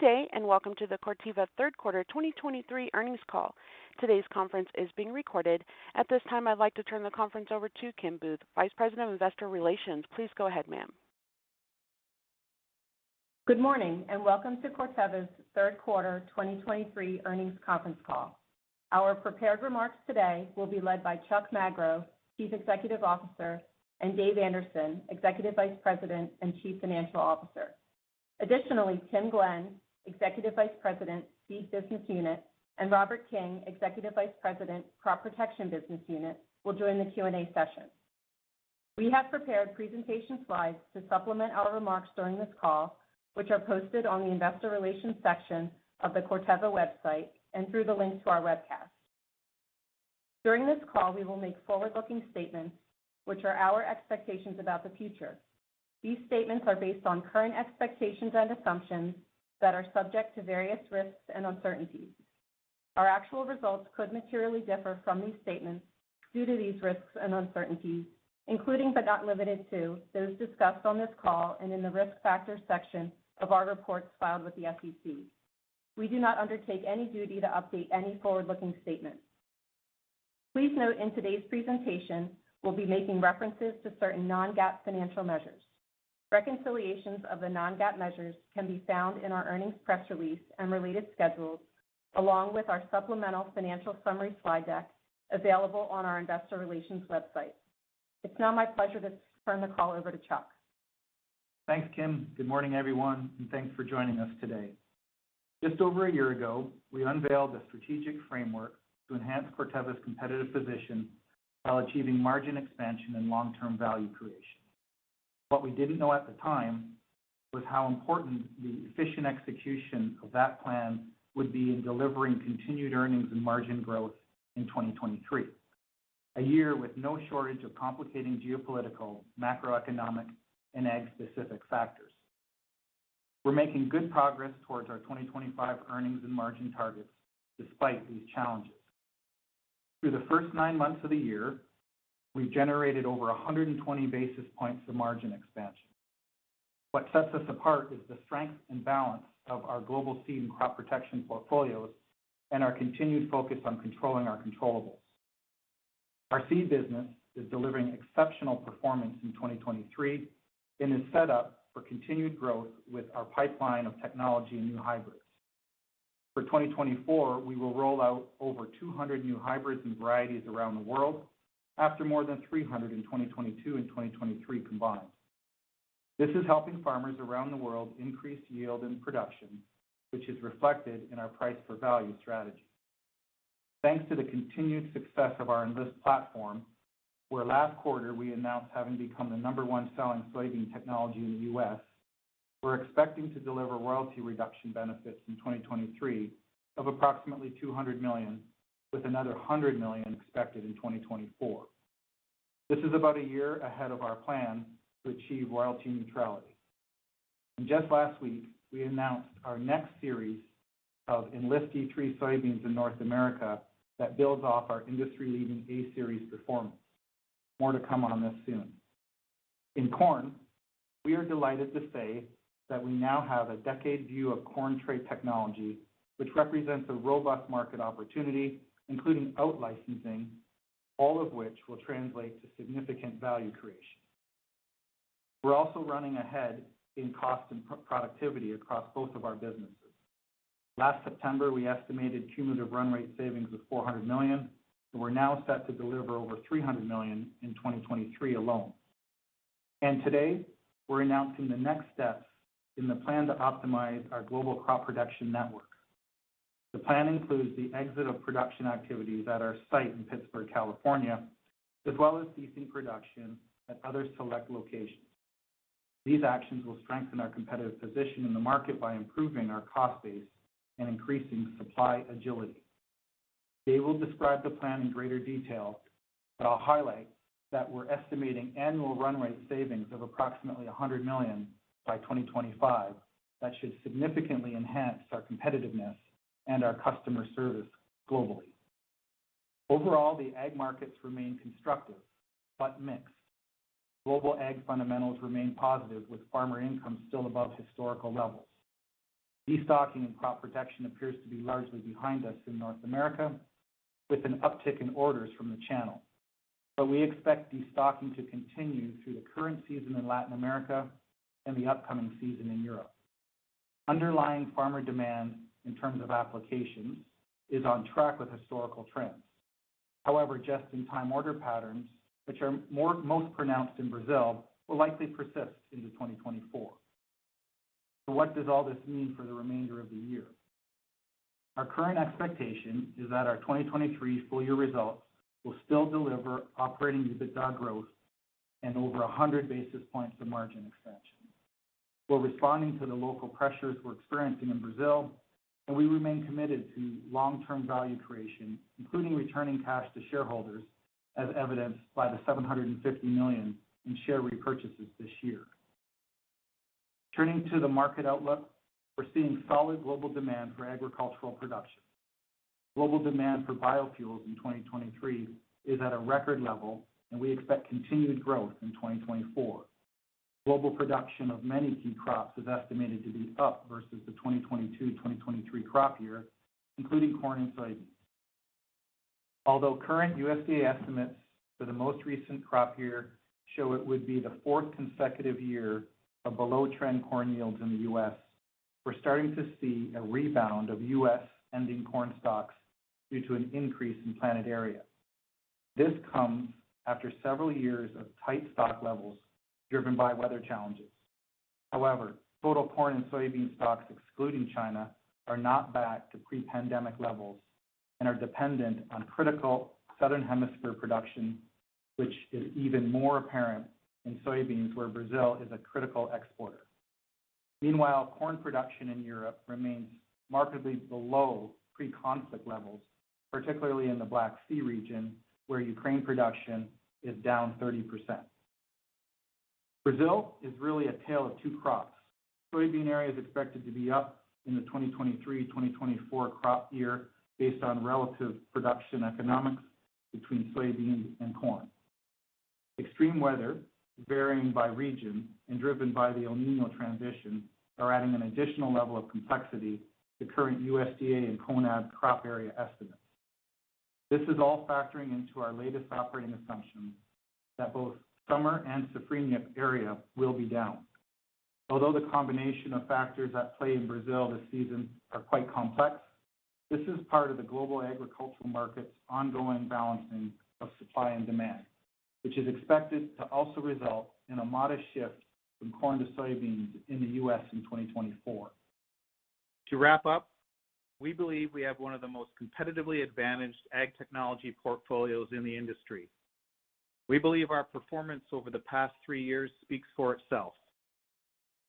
Good day, and welcome to the Corteva third quarter 2023 earnings call. Today's conference is being recorded. At this time, I'd like to turn the conference over to Kim Booth, Vice President of Investor Relations. Please go ahead, ma'am. Good morning, and welcome to Corteva's third quarter 2023 earnings conference call. Our prepared remarks today will be led by Chuck Magro, Chief Executive Officer, and Dave Anderson, Executive Vice President and Chief Financial Officer. Additionally, Tim Glenn, Executive Vice President, Seed Business Unit, and Robert King, Executive Vice President, Crop Protection Business Unit, will join the Q&A session. We have prepared presentation slides to supplement our remarks during this call, which are posted on the Investor Relations section of the Corteva website and through the link to our webcast. During this call, we will make forward-looking statements, which are our expectations about the future. These statements are based on current expectations and assumptions that are subject to various risks and uncertainties. Our actual results could materially differ from these statements due to these risks and uncertainties, including, but not limited to, those discussed on this call and in the Risk Factors section of our reports filed with the SEC. We do not undertake any duty to update any forward-looking statements. Please note in today's presentation, we'll be making references to certain non-GAAP financial measures. Reconciliations of the non-GAAP measures can be found in our earnings press release and related schedules, along with our supplemental financial summary slide deck, available on our Investor Relations website. It's now my pleasure to turn the call over to Chuck. Thanks, Kim. Good morning, everyone, and thanks for joining us today. Just over a year ago, we unveiled a strategic framework to enhance Corteva's competitive position while achieving margin expansion and long-term value creation. What we didn't know at the time was how important the efficient execution of that plan would be in delivering continued earnings and margin growth in 2023, a year with no shortage of complicating geopolitical, macroeconomic, and ag-specific factors. We're making good progress towards our 2025 earnings and margin targets despite these challenges. Through the first 9 months of the year, we've generated over 120 basis points of margin expansion. What sets us apart is the strength and balance of our global seed and crop protection portfolios and our continued focus on controlling our controllables. Our seed business is delivering exceptional performance in 2023 and is set up for continued growth with our pipeline of technology and new hybrids. For 2024, we will roll out over 200 new hybrids and varieties around the world after more than 300 in 2022 and 2023 combined. This is helping farmers around the world increase yield and production, which is reflected in our price for value strategy. Thanks to the continued success of our Enlist platform, where last quarter we announced having become the number one selling soybean technology in the U.S., we're expecting to deliver royalty reduction benefits in 2023 of approximately $200 million, with another $100 million expected in 2024. This is about a year ahead of our plan to achieve royalty neutrality. Just last week, we announced our next series of Enlist E3 soybeans in North America that builds off our industry-leading A-Series performance. More to come on this soon. In corn, we are delighted to say that we now have a decade view of corn trait technology, which represents a robust market opportunity, including out-licensing, all of which will translate to significant value creation. We're also running ahead in cost and pro-productivity across both of our businesses. Last September, we estimated cumulative run rate savings of $400 million, and we're now set to deliver over $300 million in 2023 alone. Today, we're announcing the next steps in the plan to optimize our global crop production network. The plan includes the exit of production activities at our site in Pittsburg, California, as well as ceasing production at other select locations. These actions will strengthen our competitive position in the market by improving our cost base and increasing supply agility. Dave will describe the plan in greater detail, but I'll highlight that we're estimating annual run rate savings of approximately $100 million by 2025. That should significantly enhance our competitiveness and our customer service globally. Overall, the ag markets remain constructive, but mixed. Global ag fundamentals remain positive, with farmer income still above historical levels. Destocking and crop protection appears to be largely behind us in North America, with an uptick in orders from the channel. But we expect destocking to continue through the current season in Latin America and the upcoming season in Europe. Underlying farmer demand in terms of applications is on track with historical trends. However, just-in-time order patterns, which are most pronounced in Brazil, will likely persist into 2024. So what does all this mean for the remainder of the year? Our current expectation is that our 2023 full-year results will still deliver operating EBITDA growth and over 100 basis points of margin expansion. We're responding to the local pressures we're experiencing in Brazil, and we remain committed to long-term value creation, including returning cash to shareholders, as evidenced by the $750 million in share repurchases this year. Turning to the market outlook, we're seeing solid global demand for agricultural production.... Global demand for biofuels in 2023 is at a record level, and we expect continued growth in 2024. Global production of many key crops is estimated to be up versus the 2022-2023 crop year, including corn and soybean. Although current USDA estimates for the most recent crop year show it would be the fourth consecutive year of below-trend corn yields in the U.S., we're starting to see a rebound of U.S. ending corn stocks due to an increase in planted area. This comes after several years of tight stock levels, driven by weather challenges. However, total corn and soybean stocks, excluding China, are not back to pre-pandemic levels and are dependent on critical Southern Hemisphere production, which is even more apparent in soybeans, where Brazil is a critical exporter. Meanwhile, corn production in Europe remains markedly below pre-conflict levels, particularly in the Black Sea region, where Ukraine production is down 30%. Brazil is really a tale of two crops. Soybean area is expected to be up in the 2023-2024 crop year based on relative production economics between soybeans and corn. Extreme weather, varying by region and driven by the El Niño transition, are adding an additional level of complexity to current USDA and CONAB crop area estimates. This is all factoring into our latest operating assumption that both summer and safrinha area will be down. Although the combination of factors at play in Brazil this season are quite complex, this is part of the global agricultural market's ongoing balancing of supply and demand, which is expected to also result in a modest shift from corn to soybeans in the U.S. in 2024. To wrap up, we believe we have one of the most competitively advantaged ag technology portfolios in the industry. We believe our performance over the past three years speaks for itself.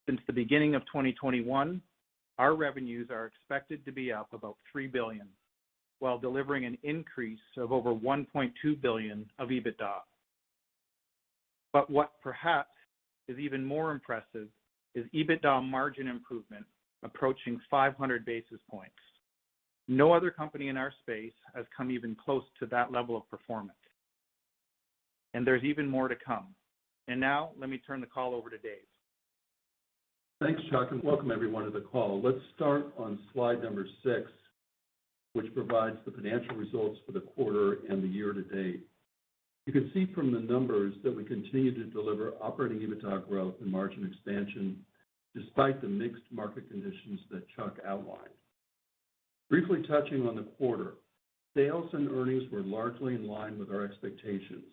Since the beginning of 2021, our revenues are expected to be up about $3 billion, while delivering an increase of over $1.2 billion of EBITDA. But what perhaps is even more impressive is EBITDA margin improvement approaching 500 basis points. No other company in our space has come even close to that level of performance, and there's even more to come. Now let me turn the call over to Dave. Thanks, Chuck, and welcome everyone to the call. Let's start on slide number 6, which provides the financial results for the quarter and the year to date. You can see from the numbers that we continue to deliver operating EBITDA growth and margin expansion despite the mixed market conditions that Chuck outlined. Briefly touching on the quarter, sales and earnings were largely in line with our expectations.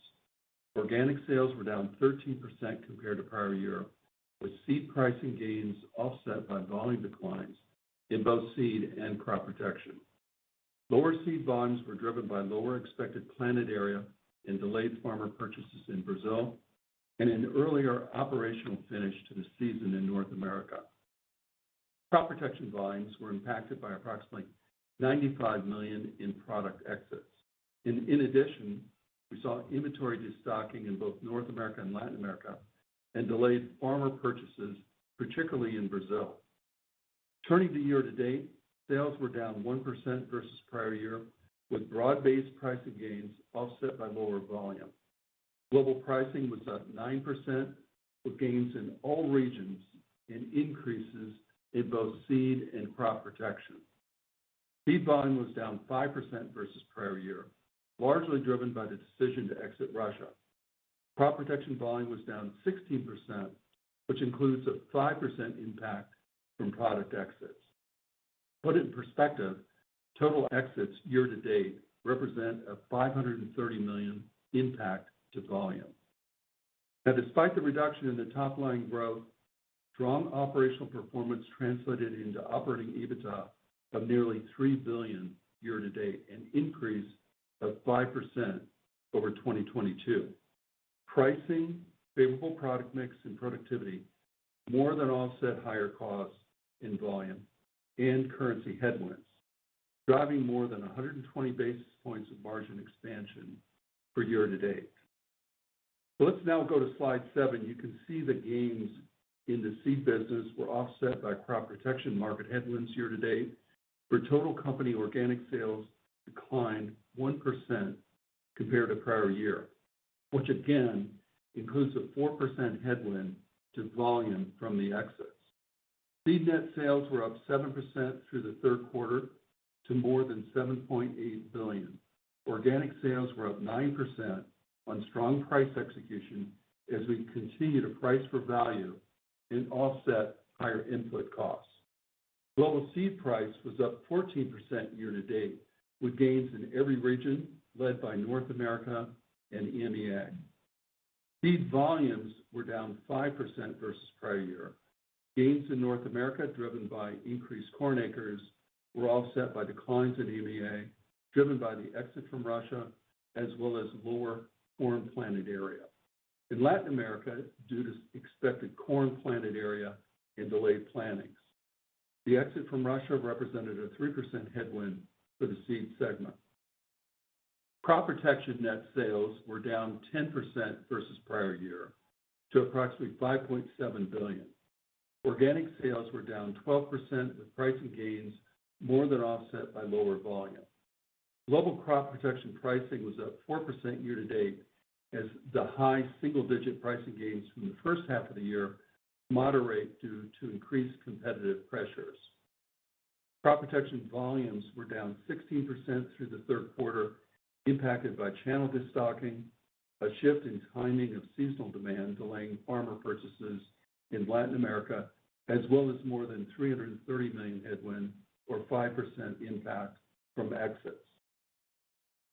Organic sales were down 13% compared to prior year, with seed pricing gains offset by volume declines in both seed and crop protection. Lower seed volumes were driven by lower expected planted area and delayed farmer purchases in Brazil and an earlier operational finish to the season in North America. Crop protection volumes were impacted by approximately $95 million in product exits. In addition, we saw inventory destocking in both North America and Latin America, and delayed farmer purchases, particularly in Brazil. Turning to year to date, sales were down 1% versus prior year, with broad-based pricing gains offset by lower volume. Global pricing was up 9%, with gains in all regions and increases in both seed and crop protection. Seed volume was down 5% versus prior year, largely driven by the decision to exit Russia. Crop protection volume was down 16%, which includes a 5% impact from product exits. To put it in perspective, total exits year to date represent a $530 million impact to volume. Now, despite the reduction in the top-line growth, strong operational performance translated into operating EBITDA of nearly $3 billion year to date, an increase of 5% over 2022. Pricing, favorable product mix, and productivity more than offset higher costs in volume and currency headwinds, driving more than 120 basis points of margin expansion for year to date. So let's now go to slide 7. You can see the gains in the seed business were offset by crop protection market headwinds year to date, where total company organic sales declined 1% compared to prior year, which again includes a 4% headwind to volume from the exits. Seed net sales were up 7% through the third quarter to more than $7.8 billion. Organic sales were up 9% on strong price execution as we continue to price for value and offset higher input costs. Global seed price was up 14% year to date, with gains in every region led by North America and EMEA. Seed volumes were down 5% versus prior year. Gains in North America, driven by increased corn acres, were offset by declines in EMEA, driven by the exit from Russia, as well as lower corn planted area. In Latin America, due to expected corn planted area and delayed plantings. The exit from Russia represented a 3% headwind for the seed segment. Crop Protection net sales were down 10% versus prior year to approximately $5.7 billion. Organic sales were down 12%, with pricing gains more than offset by lower volume. Global Crop Protection pricing was up 4% year-to-date, as the high single-digit pricing gains from the first half of the year moderate due to increased competitive pressures. Crop Protection volumes were down 16% through the third quarter, impacted by channel destocking, a shift in timing of seasonal demand, delaying farmer purchases in Latin America, as well as more than $330 million headwind, or 5% impact from exits.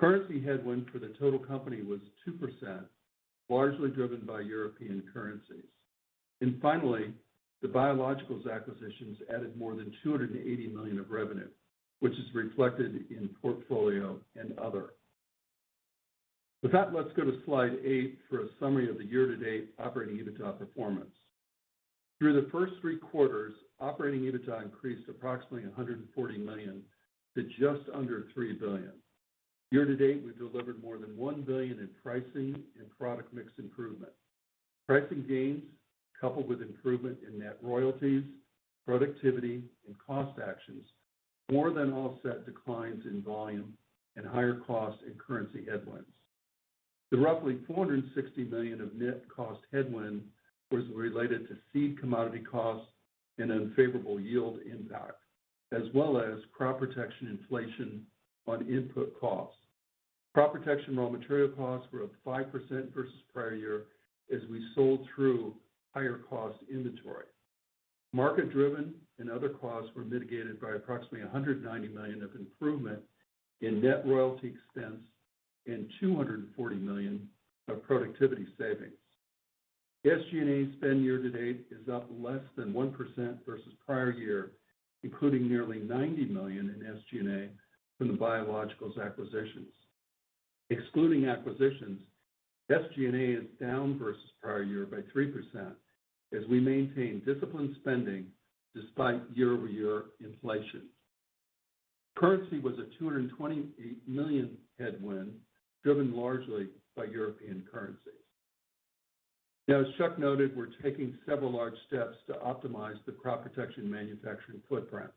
Currency headwind for the total company was 2%, largely driven by European currencies. And finally, the Biologicals acquisitions added more than $280 million of revenue, which is reflected in portfolio and other. With that, let's go to slide 8 for a summary of the year-to-date operating EBITDA performance. Through the first three quarters, operating EBITDA increased approximately $140 million to just under $3 billion. Year-to-date, we've delivered more than $1 billion in pricing and product mix improvement. Pricing gains, coupled with improvement in net royalties, productivity, and cost actions, more than offset declines in volume and higher costs and currency headwinds. The roughly $460 million of net cost headwind was related to seed commodity costs and unfavorable yield impact, as well as crop protection inflation on input costs. Crop protection raw material costs were up 5% versus prior year as we sold through higher cost inventory. Market-driven and other costs were mitigated by approximately $190 million of improvement in net royalty expense and $240 million of productivity savings. SG&A spend year to date is up less than 1% versus prior year, including nearly $90 million in SG&A from the Biologicals acquisitions. Excluding acquisitions, SG&A is down versus prior year by 3%, as we maintain disciplined spending despite year-over-year inflation. Currency was a $228 million headwind, driven largely by European currencies. Now, as Chuck noted, we're taking several large steps to optimize the Crop Protection manufacturing footprint.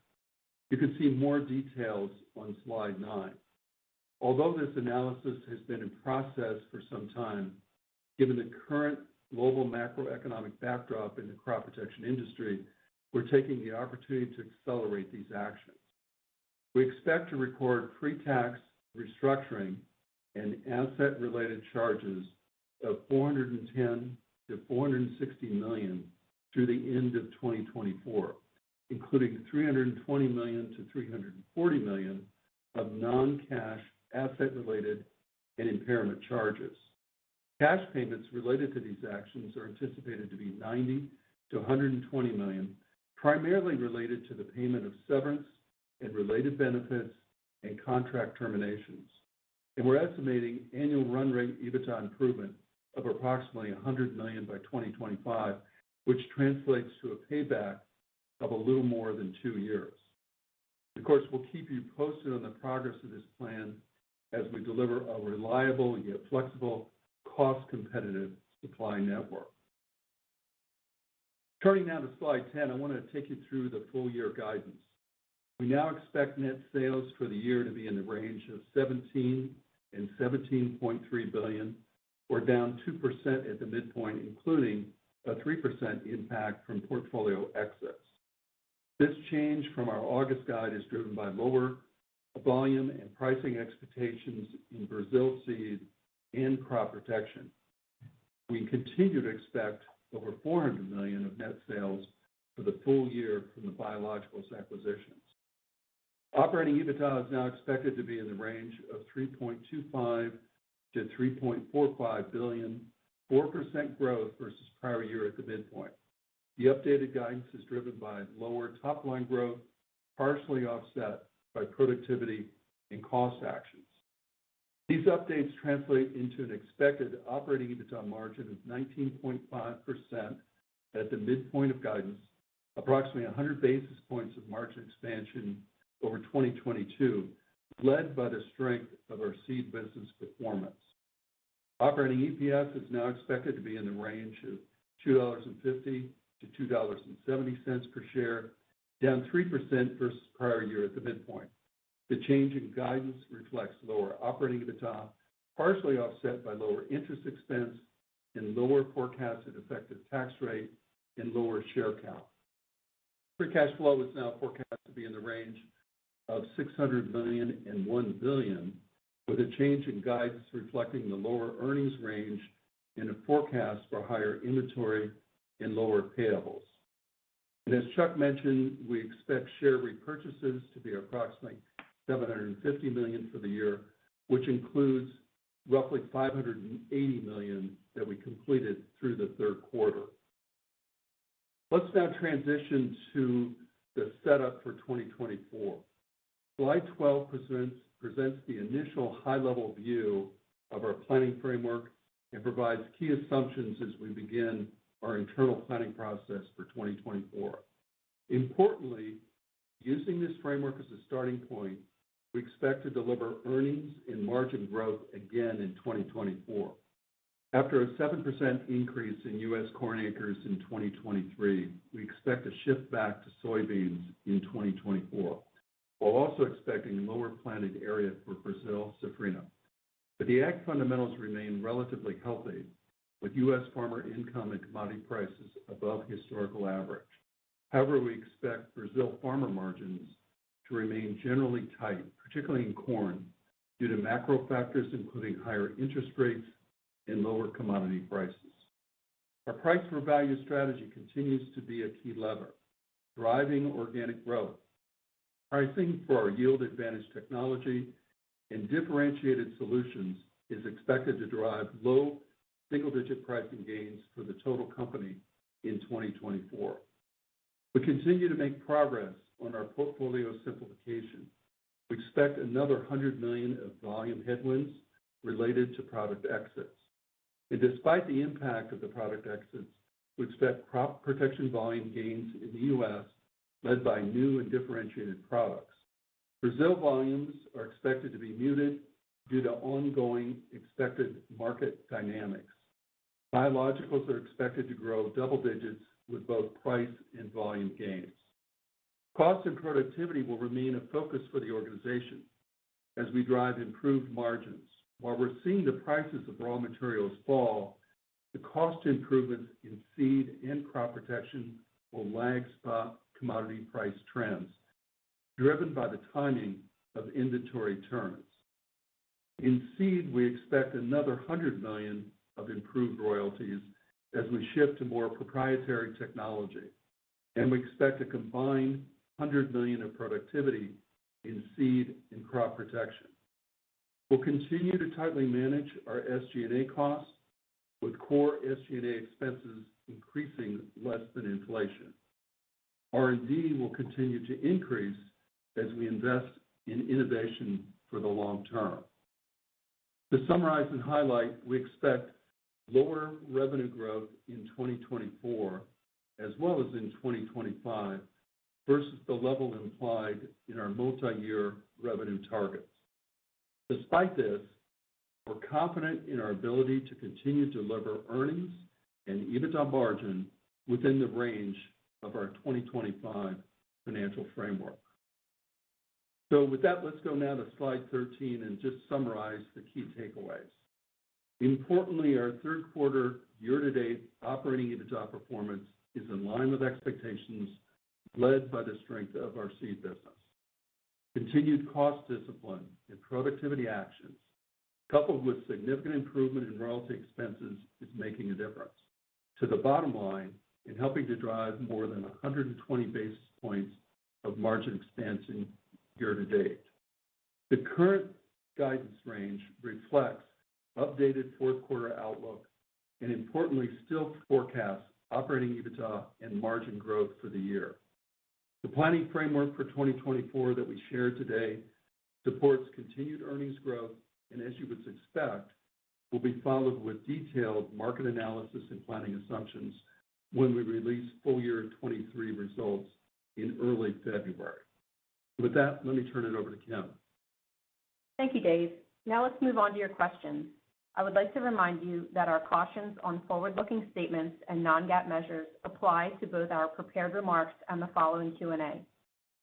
You can see more details on slide 9. Although this analysis has been in process for some time, given the current global macroeconomic backdrop in the crop protection industry, we're taking the opportunity to accelerate these actions. We expect to record pre-tax restructuring and asset-related charges of $410-$460 million through the end of 2024, including $320-$340 million of non-cash asset-related and impairment charges. Cash payments related to these actions are anticipated to be $90-$120 million, primarily related to the payment of severance and related benefits and contract terminations. We're estimating annual run rate EBITDA improvement of approximately $100 million by 2025, which translates to a payback of a little more than 2 years. Of course, we'll keep you posted on the progress of this plan as we deliver a reliable yet flexible, cost-competitive supply network. Turning now to slide 10, I want to take you through the full year guidance. We now expect net sales for the year to be in the range of $17-$17.3 billion, or down 2% at the midpoint, including a 3% impact from portfolio exits. This change from our August guide is driven by lower volume and pricing expectations in Brazil Seed and Crop Protection. We continue to expect over $400 million of net sales for the full year from the Biologicals acquisitions. Operating EBITDA is now expected to be in the range of $3.25 billion-$3.45 billion, 4% growth versus prior year at the midpoint. The updated guidance is driven by lower top-line growth, partially offset by productivity and cost actions. These updates translate into an expected operating EBITDA margin of 19.5% at the midpoint of guidance, approximately 100 basis points of margin expansion over 2022, led by the strength of our seed business performance. Operating EPS is now expected to be in the range of $2.50-$2.70 per share, down 3% versus prior year at the midpoint. The change in guidance reflects lower operating EBITDA, partially offset by lower interest expense and lower forecasted effective tax rate and lower share count. Free cash flow is now forecast to be in the range of $600 million-$1 billion, with a change in guidance reflecting the lower earnings range and a forecast for higher inventory and lower payables. And as Chuck mentioned, we expect share repurchases to be approximately $750 million for the year, which includes roughly $580 million that we completed through the third quarter. Let's now transition to the setup for 2024. Slide 12 presents the initial high-level view of our planning framework and provides key assumptions as we begin our internal planning process for 2024. Importantly, using this framework as a starting point, we expect to deliver earnings and margin growth again in 2024. After a 7% increase in U.S. corn acres in 2023, we expect a shift back to soybeans in 2024, while also expecting lower planted area for Brazil safrinha. But the ag fundamentals remain relatively healthy, with U.S. farmer income and commodity prices above historical average. However, we expect Brazil farmer margins to remain generally tight, particularly in corn, due to macro factors including higher interest rates and lower commodity prices. Our price for value strategy continues to be a key lever, driving organic growth. Pricing for our yield advantage technology and differentiated solutions is expected to drive low single-digit pricing gains for the total company in 2024. We continue to make progress on our portfolio simplification. We expect another $100 million of volume headwinds related to product exits. Despite the impact of the product exits, we expect crop protection volume gains in the U.S., led by new and differentiated products. Brazil volumes are expected to be muted due to ongoing expected market dynamics. Biologicals are expected to grow double digits with both price and volume gains. Cost and productivity will remain a focus for the organization as we drive improved margins. While we're seeing the prices of raw materials fall, the cost improvements in seed and crop protection will lag spot commodity price trends, driven by the timing of inventory turns. In seed, we expect another $100 million of improved royalties as we shift to more proprietary technology, and we expect a combined $100 million of productivity in seed and crop protection. We'll continue to tightly manage our SG&A costs, with core SG&A expenses increasing less than inflation. R&D will continue to increase as we invest in innovation for the long term. To summarize and highlight, we expect lower revenue growth in 2024 as well as in 2025 versus the level implied in our multi-year revenue targets. Despite this, we're confident in our ability to continue to deliver earnings and EBITDA margin within the range of our 2025 financial framework. So with that, let's go now to slide 13 and just summarize the key takeaways. Importantly, our third quarter year-to-date operating EBITDA performance is in line with expectations, led by the strength of our seed business. Continued cost discipline and productivity actions, coupled with significant improvement in royalty expenses, is making a difference to the bottom line in helping to drive more than 120 basis points of margin expansion year-to-date. The current guidance range reflects updated fourth quarter outlook and importantly, still forecasts operating EBITDA and margin growth for the year. The planning framework for 2024 that we shared today supports continued earnings growth, and as you would expect, will be followed with detailed market analysis and planning assumptions when we release full year 2023 results in early February. With that, let me turn it over to Kim. Thank you, Dave. Now let's move on to your questions. I would like to remind you that our cautions on forward-looking statements and non-GAAP measures apply to both our prepared remarks and the following Q&A.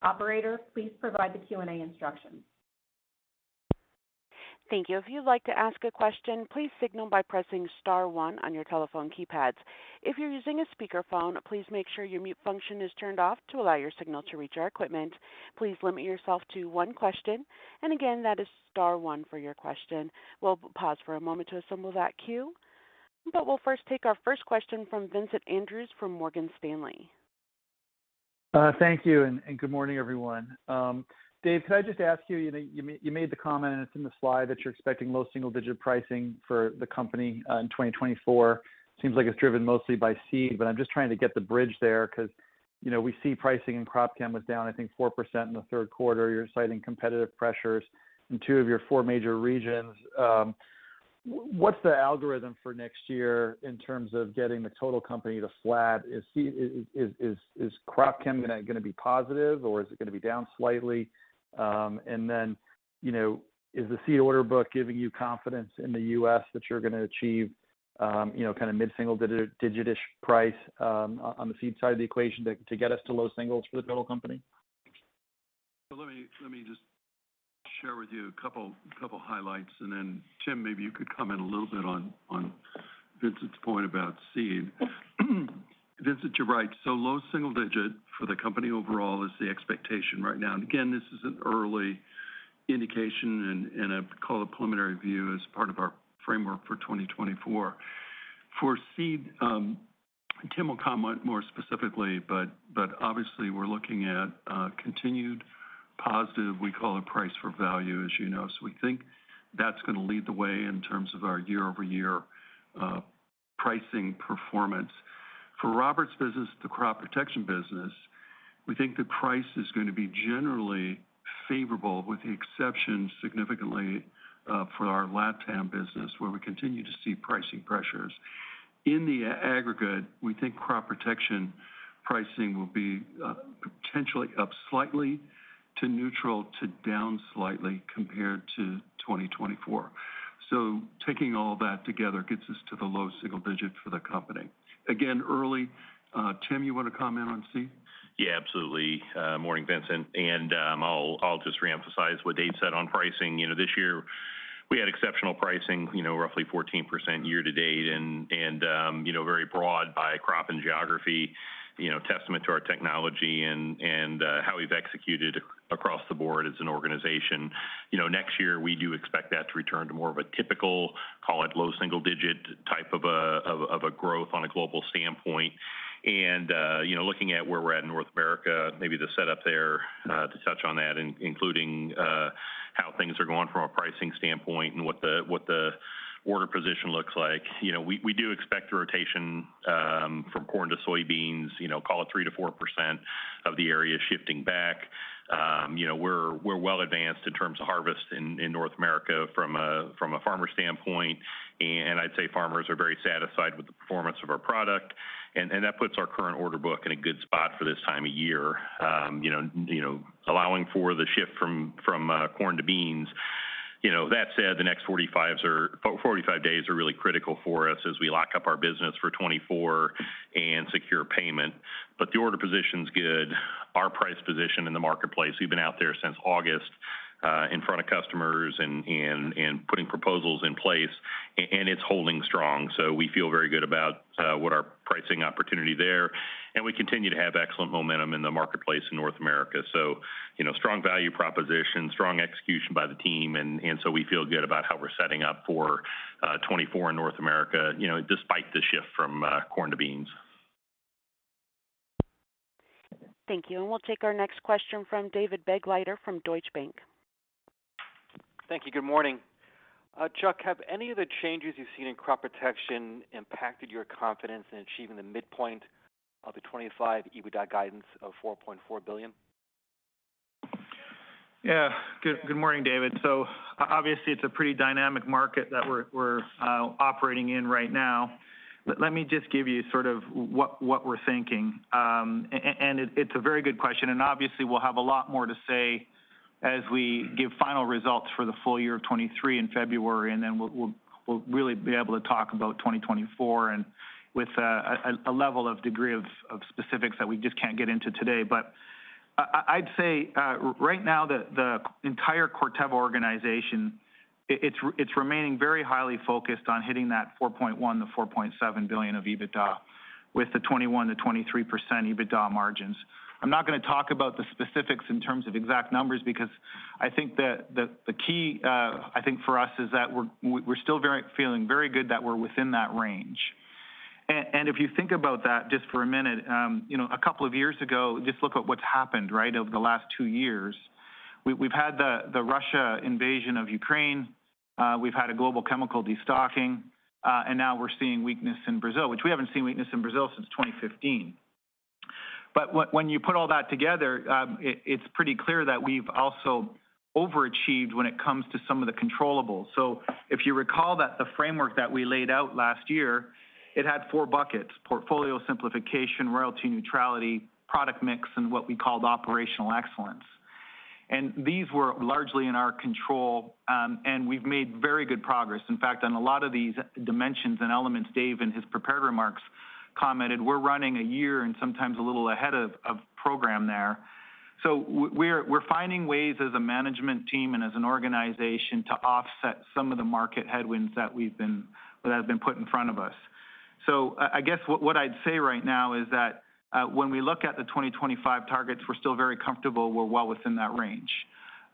Operator, please provide the Q&A instructions. Thank you. If you'd like to ask a question, please signal by pressing star one on your telephone keypads. If you're using a speakerphone, please make sure your mute function is turned off to allow your signal to reach our equipment. Please limit yourself to one question. And again, that is star one for your question. We'll pause for a moment to assemble that queue, but we'll first take our first question from Vincent Andrews from Morgan Stanley. Thank you and good morning, everyone. Dave, could I just ask you, you know, you made the comment, and it's in the slide, that you're expecting low single-digit pricing for the company in 2024. Seems like it's driven mostly by seed, but I'm just trying to get the bridge there, because, you know, we see pricing in crop chem was down, I think, 4% in the third quarter. You're citing competitive pressures in 2 of your 4 major regions. What's the algorithm for next year in terms of getting the total company to flat? Is seed—is crop chem gonna be positive or is it gonna be down slightly? And then, you know, is the seed order book giving you confidence in the US that you're gonna achieve, you know, kind of mid-single digits price on the seed side of the equation to get us to low singles for the total company? So let me just share with you a couple highlights, and then Tim, maybe you could comment a little bit on Vincent's point about seed. Vincent, you're right. So low single digit for the company overall is the expectation right now. And again, this is an early indication and I'd call it a preliminary view as part of our framework for 2024. For seed, Tim will comment more specifically, but obviously we're looking at continued positive, we call it price for value, as you know. So we think that's gonna lead the way in terms of our year-over-year,... pricing performance. For Robert's business, the crop protection business, we think the price is going to be generally favorable, with the exception, significantly, for our LatAm business, where we continue to see pricing pressures. In the aggregate, we think crop protection pricing will be, potentially up slightly to neutral to down slightly compared to 2024. So taking all that together gets us to the low single digit for the company. Again, early. Tim, you want to comment on C? Yeah, absolutely. Morning, Vincent, and, I'll just reemphasize what Dave said on pricing. You know, this year we had exceptional pricing, you know, roughly 14% year to date and, you know, very broad by crop and geography, you know, testament to our technology and, how we've executed across the board as an organization. You know, next year, we do expect that to return to more of a typical, call it, low single digit type of a growth on a global standpoint. And, you know, looking at where we're at in North America, maybe the setup there, to touch on that, including, how things are going from a pricing standpoint and what the, what the order position looks like. You know, we do expect a rotation from corn to soybeans, you know, call it 3%-4% of the area shifting back. You know, we're well-advanced in terms of harvest in North America from a farmer standpoint. And I'd say farmers are very satisfied with the performance of our product, and that puts our current order book in a good spot for this time of year. You know, allowing for the shift from corn to beans. You know, that said, the next 45 days are really critical for us as we lock up our business for 2024 and secure payment. But the order position's good. Our price position in the marketplace, we've been out there since August in front of customers and putting proposals in place, and it's holding strong. So we feel very good about what our pricing opportunity there, and we continue to have excellent momentum in the marketplace in North America. So, you know, strong value proposition, strong execution by the team, and so we feel good about how we're setting up for 2024 in North America, you know, despite the shift from corn to beans. Thank you. And we'll take our next question from David Begleiter from Deutsche Bank. Thank you. Good morning. Chuck, have any of the changes you've seen in crop protection impacted your confidence in achieving the midpoint of the 25 EBITDA guidance of $4.4 billion? Yeah. Good morning, David. So obviously, it's a pretty dynamic market that we're operating in right now, but let me just give you sort of what we're thinking. And it's a very good question, and obviously, we'll have a lot more to say as we give final results for the full year of 2023 in February, and then we'll really be able to talk about 2024 and with a level of degree of specifics that we just can't get into today. But I'd say right now, the entire Corteva organization, it's remaining very highly focused on hitting that $4.1-$4.7 billion of EBITDA, with the 21%-23% EBITDA margins. I'm not gonna talk about the specifics in terms of exact numbers because I think that the key, I think for us, is that we're still feeling very good that we're within that range. And if you think about that just for a minute, you know, a couple of years ago, just look at what's happened, right, over the last two years. We've had the Russia invasion of Ukraine, we've had a global chemical destocking, and now we're seeing weakness in Brazil, which we haven't seen weakness in Brazil since 2015. But when you put all that together, it's pretty clear that we've also overachieved when it comes to some of the controllables. So if you recall that the framework that we laid out last year, it had four buckets: portfolio simplification, royalty neutrality, product mix, and what we called operational excellence. These were largely in our control, and we've made very good progress. In fact, on a lot of these dimensions and elements, Dave, in his prepared remarks, commented, we're running a year and sometimes a little ahead of program there. So we're finding ways as a management team and as an organization to offset some of the market headwinds that have been put in front of us. So I guess what I'd say right now is that when we look at the 2025 targets, we're still very comfortable we're well within that range.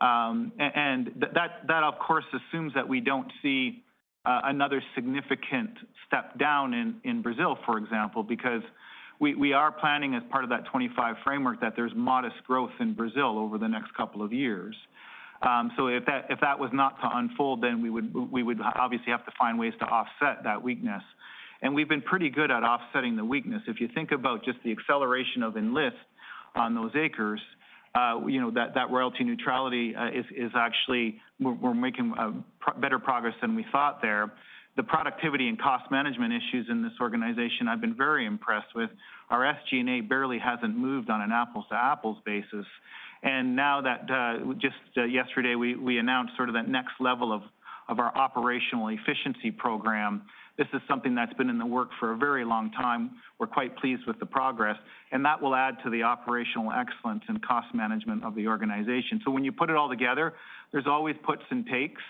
And that, that of course assumes that we don't see another significant step down in Brazil, for example, because we are planning, as part of that 25 framework, that there's modest growth in Brazil over the next couple of years. So if that was not to unfold, then we would obviously have to find ways to offset that weakness. And we've been pretty good at offsetting the weakness. If you think about just the acceleration of Enlist on those acres, you know, that royalty neutrality is actually... We're making better progress than we thought there. The productivity and cost management issues in this organization, I've been very impressed with. Our SG&A barely hasn't moved on an apples-to-apples basis, and now that just yesterday we announced sort of that next level of our operational efficiency program. This is something that's been in the works for a very long time. We're quite pleased with the progress, and that will add to the operational excellence and cost management of the organization. So when you put it all together, there's always puts and takes,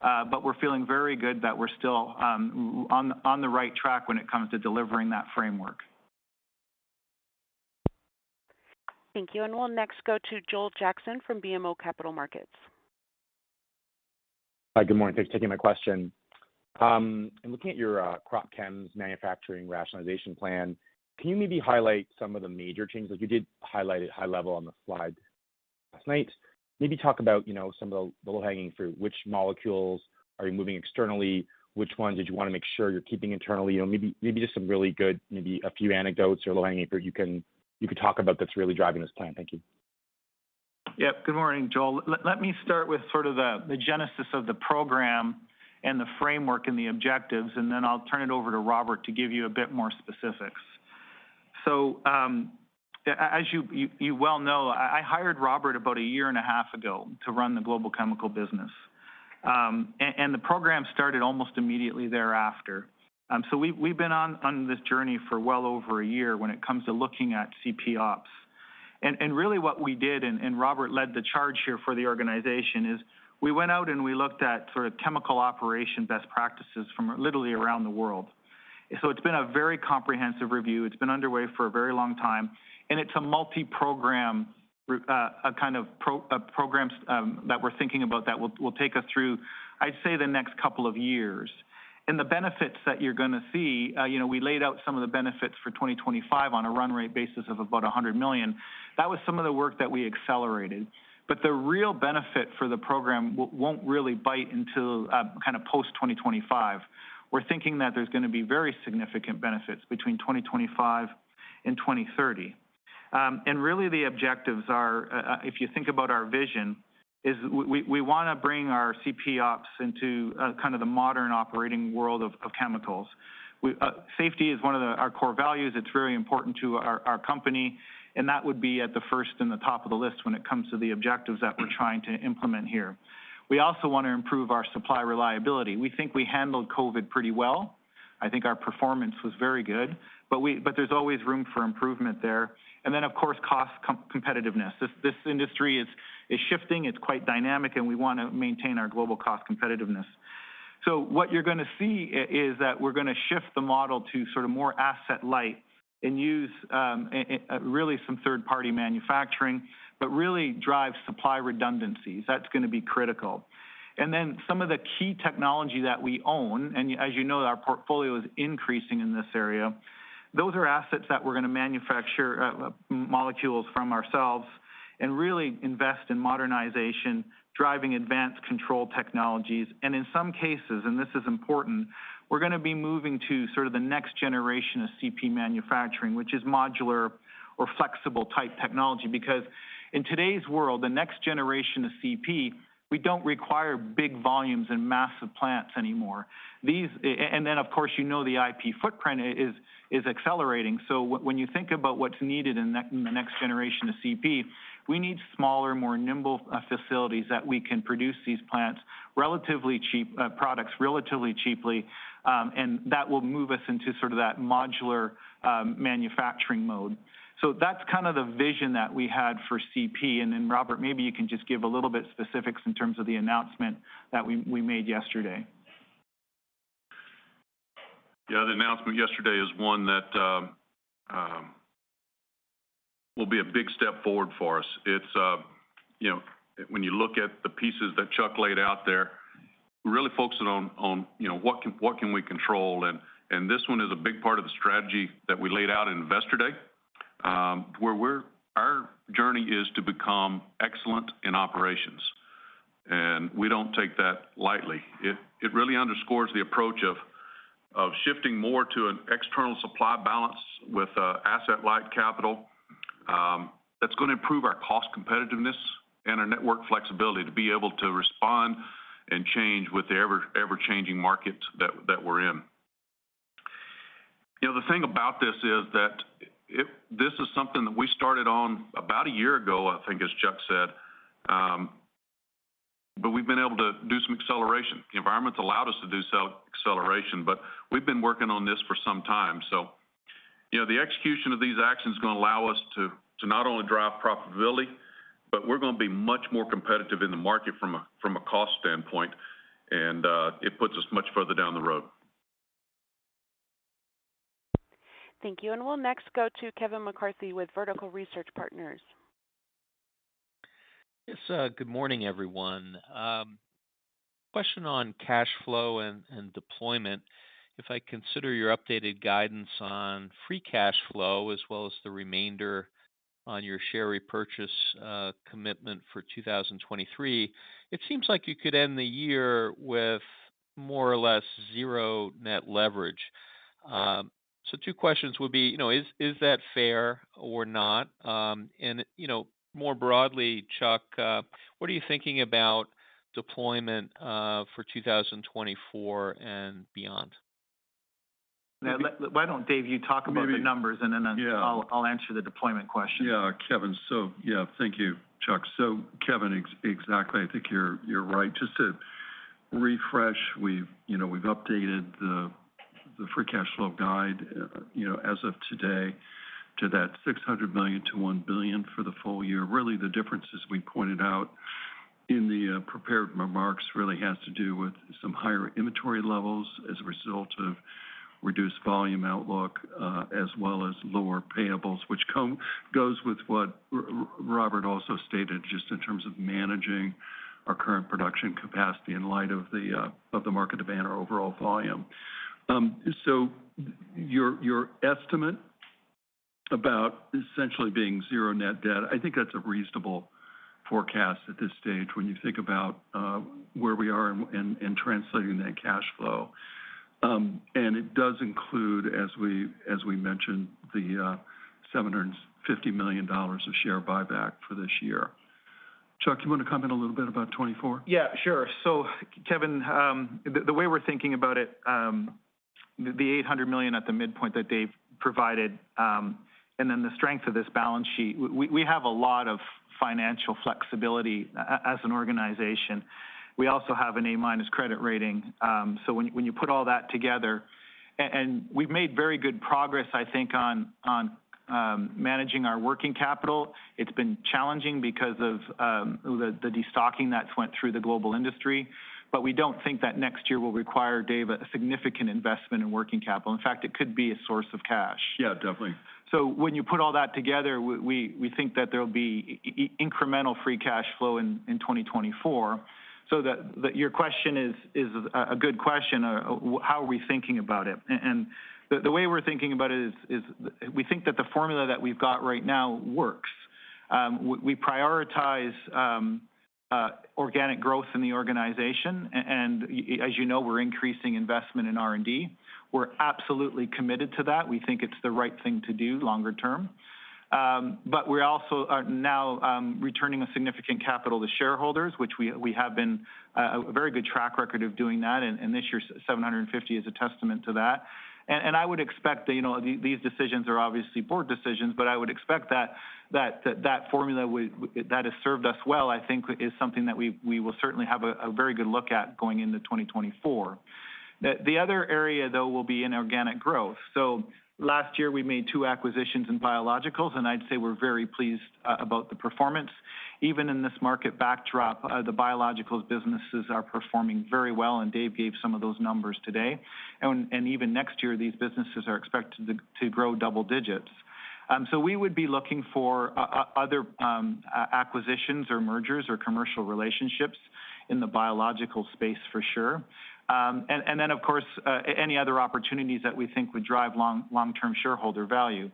but we're feeling very good that we're still on the right track when it comes to delivering that framework. Thank you, and we'll next go to Joel Jackson from BMO Capital Markets. Hi, good morning. Thanks for taking my question. In looking at your, crop chems manufacturing rationalization plan, can you maybe highlight some of the major changes, as you did highlight it high level on the slide?... last night, maybe talk about, you know, some of the low-hanging fruit. Which molecules are you moving externally? Which ones did you wanna make sure you're keeping internally? You know, maybe, maybe just some really good, maybe a few anecdotes or low-hanging fruit you can, you could talk about that's really driving this plan. Thank you. Yep. Good morning, Joel. Let me start with sort of the genesis of the program and the framework and the objectives, and then I'll turn it over to Robert to give you a bit more specifics. So, as you well know, I hired Robert about a year and a half ago to run the global chemical business. And the program started almost immediately thereafter. So we've been on this journey for well over a year when it comes to looking at CP ops. And really what we did, and Robert led the charge here for the organization, is we went out and we looked at sort of chemical operation best practices from literally around the world. So it's been a very comprehensive review. It's been underway for a very long time, and it's a multi-program, a kind of programs that we're thinking about that will take us through, I'd say, the next couple of years. And the benefits that you're gonna see, you know, we laid out some of the benefits for 2025 on a run rate basis of about $100 million. That was some of the work that we accelerated. But the real benefit for the program won't really bite until kind of post 2025. We're thinking that there's gonna be very significant benefits between 2025 and 2030. And really, the objectives are, if you think about our vision, we wanna bring our CP ops into kind of the modern operating world of chemicals. Safety is one of our core values. It's very important to our company, and that would be at the first and the top of the list when it comes to the objectives that we're trying to implement here. We also want to improve our supply reliability. We think we handled COVID pretty well. I think our performance was very good, but there's always room for improvement there. And then, of course, cost competitiveness. This industry is shifting, it's quite dynamic, and we wanna maintain our global cost competitiveness. So what you're gonna see is that we're gonna shift the model to sort of more asset light and use really some third-party manufacturing, but really drive supply redundancies. That's gonna be critical. Then some of the key technology that we own, and as you know, our portfolio is increasing in this area, those are assets that we're gonna manufacture molecules from ourselves and really invest in modernization, driving advanced control technologies. And in some cases, and this is important, we're gonna be moving to sort of the next generation of CP manufacturing, which is modular or flexible-type technology. Because in today's world, the next generation of CP, we don't require big volumes and massive plants anymore. And then, of course, you know the IP footprint is accelerating. So when you think about what's needed in the in the next generation of CP, we need smaller, more nimble, facilities that we can produce these plants, relatively cheap, products relatively cheaply, and that will move us into sort of that modular, manufacturing mode. So that's kind of the vision that we had for CP. And then, Robert, maybe you can just give a little bit specifics in terms of the announcement that we made yesterday. Yeah, the announcement yesterday is one that will be a big step forward for us. It's, you know, when you look at the pieces that Chuck laid out there, we're really focusing on, you know, what can, what can we control? And this one is a big part of the strategy that we laid out in Investor Day, where we're, our journey is to become excellent in operations, and we don't take that lightly. It really underscores the approach of shifting more to an external supply balance with asset-light capital. That's gonna improve our cost competitiveness and our network flexibility to be able to respond and change with the ever, ever-changing market that we're in. You know, the thing about this is that this is something that we started on about a year ago, I think, as Chuck said, but we've been able to do some acceleration. The environment's allowed us to do some acceleration, but we've been working on this for some time. So, you know, the execution of these actions is gonna allow us to not only drive profitability, but we're gonna be much more competitive in the market from a cost standpoint, and it puts us much further down the road. Thank you. We'll next go to Kevin McCarthy with Vertical Research Partners. Yes, good morning, everyone. Question on cash flow and deployment. If I consider your updated guidance on free cash flow, as well as the remainder on your share repurchase commitment for 2023, it seems like you could end the year with more or less 0 net leverage. So two questions would be, you know, is that fair or not? And, you know, more broadly, Chuck, what are you thinking about deployment for 2024 and beyond? Now, why don't, Dave, you talk about the numbers- Maybe- - and then, Yeah... I'll answer the deployment question. Yeah, Kevin. So yeah, thank you, Chuck. So Kevin, exactly, I think you're, you're right. Just to refresh, we've, you know, we've updated the free cash flow guide, you know, as of today, to that $600 million-$1 billion for the full year. Really, the differences we pointed out in the prepared remarks really has to do with some higher inventory levels as a result of reduced volume outlook, as well as lower payables, which goes with what Robert also stated, just in terms of managing our current production capacity in light of the market demand or overall volume. So your estimate about essentially being zero net debt, I think that's a reasonable forecast at this stage when you think about where we are and translating that cash flow. It does include, as we mentioned, $750 million of share buyback for this year. Chuck, do you want to comment a little bit about 2024? Yeah, sure. So Kevin, the way we're thinking about it, the $800 million at the midpoint that Dave provided, and then the strength of this balance sheet, we have a lot of financial flexibility as an organization. We also have an A-minus credit rating. So when you put all that together and we've made very good progress, I think, on managing our working capital. It's been challenging because of the destocking that went through the global industry. But we don't think that next year will require, Dave, a significant investment in working capital. In fact, it could be a source of cash. Yeah, definitely. So when you put all that together, we think that there'll be incremental free cash flow in 2024. So that your question is a good question, how are we thinking about it? And the way we're thinking about it is, we think that the formula that we've got right now works. We prioritize organic growth in the organization, and, as you know, we're increasing investment in R&D. We're absolutely committed to that. We think it's the right thing to do longer term. But we also are now returning a significant capital to shareholders, which we have a very good track record of doing that, and this year's $750 million is a testament to that. I would expect that, you know, these decisions are obviously board decisions, but I would expect that formula that has served us well, I think, is something that we will certainly have a very good look at going into 2024. The other area, though, will be in organic growth. So last year, we made 2 acquisitions in biologicals, and I'd say we're very pleased about the performance. Even in this market backdrop, the biologicals businesses are performing very well, and Dave gave some of those numbers today. And even next year, these businesses are expected to grow double digits. So we would be looking for other acquisitions or mergers or commercial relationships in the biological space for sure. Of course, any other opportunities that we think would drive long-term shareholder value.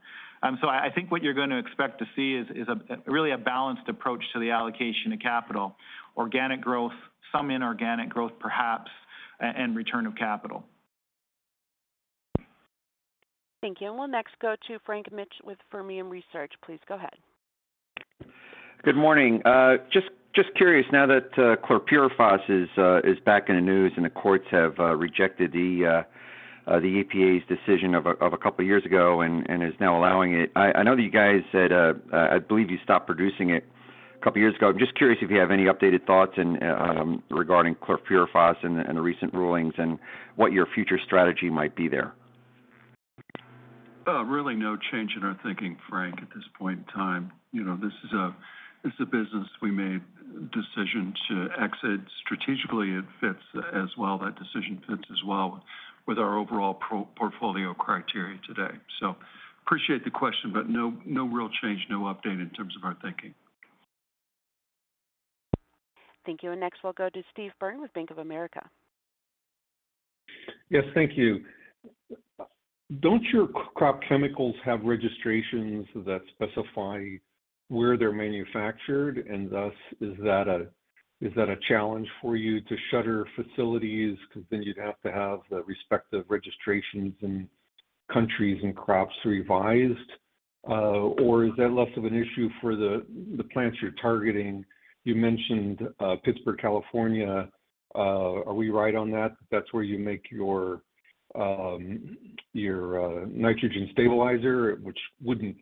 So I think what you're going to expect to see is really a balanced approach to the allocation of capital, organic growth, some inorganic growth perhaps, and return of capital. Thank you. We'll next go to Frank Mitsch with Fermium Research. Please go ahead. Good morning. Just curious, now that chlorpyrifos is back in the news and the courts have rejected the EPA's decision of a couple years ago and is now allowing it. I know that you guys said, I believe you stopped producing it a couple years ago. I'm just curious if you have any updated thoughts in regarding chlorpyrifos and the recent rulings, and what your future strategy might be there? Really no change in our thinking, Frank, at this point in time. You know, this is a business we made decision to exit. Strategically, it fits as well. That decision fits as well with our overall portfolio criteria today. So appreciate the question, but no, no real change, no update in terms of our thinking. Thank you. Next, we'll go to Steve Byrne with Bank of America. Yes, thank you. Don't your crop chemicals have registrations that specify where they're manufactured? And thus, is that a challenge for you to shutter facilities? Because then you'd have to have the respective registrations in countries and crops revised. Or is that less of an issue for the plants you're targeting? You mentioned Pittsburg, California. Are we right on that? That's where you make your nitrogen stabilizer, which wouldn't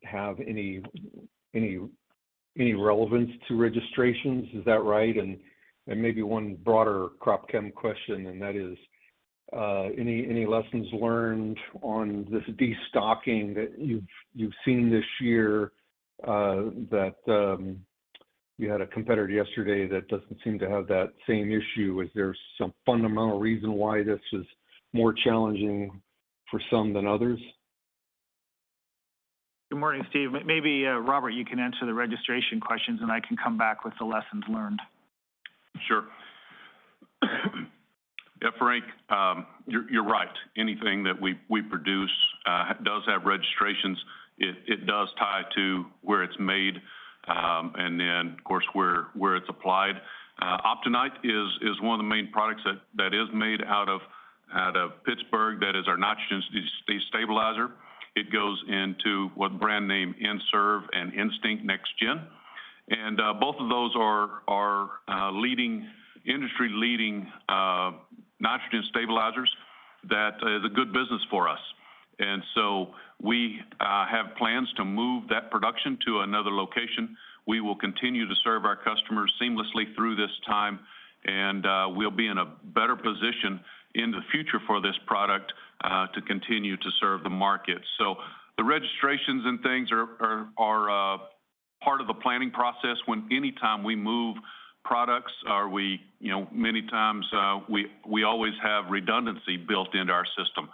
have any relevance to registrations. Is that right? And maybe one broader crop chem question, and that is, any lessons learned on this destocking that you've seen this year? That you had a competitor yesterday that doesn't seem to have that same issue. Is there some fundamental reason why this is more challenging for some than others? Good morning, Steve. Maybe, Robert, you can answer the registration questions, and I can come back with the lessons learned. Sure. Yeah, Frank, you're right. Anything that we produce does have registrations. It does tie to where it's made, and then, of course, where it's applied. Optinyte is one of the main products that is made out of Pittsburg. That is our nitrogen stabilizer. It goes into what brand name N-Serve and Instinct Next Gen. And both of those are leading, industry-leading nitrogen stabilizers. That is a good business for us. And so we have plans to move that production to another location. We will continue to serve our customers seamlessly through this time, and we'll be in a better position in the future for this product to continue to serve the market. So the registrations and things are part of the planning process. When anytime we move products. You know, many times, we always have redundancy built into our system,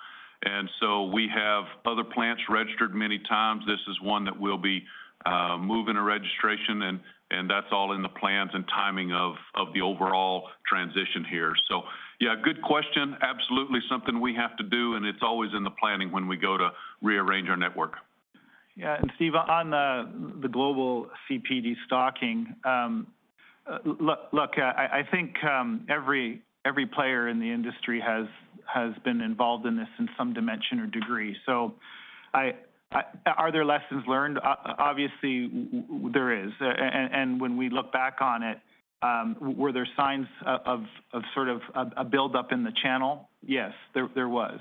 and so we have other plants registered many times. This is one that we'll be moving a registration, and that's all in the plans and timing of the overall transition here. So yeah, good question. Absolutely something we have to do, and it's always in the planning when we go to rearrange our network.... Yeah, and Steve, on the global CPD stocking, look, I think every player in the industry has been involved in this in some dimension or degree. So, are there lessons learned? Obviously, there is. And when we look back on it, were there signs of sort of a build-up in the channel? Yes, there was.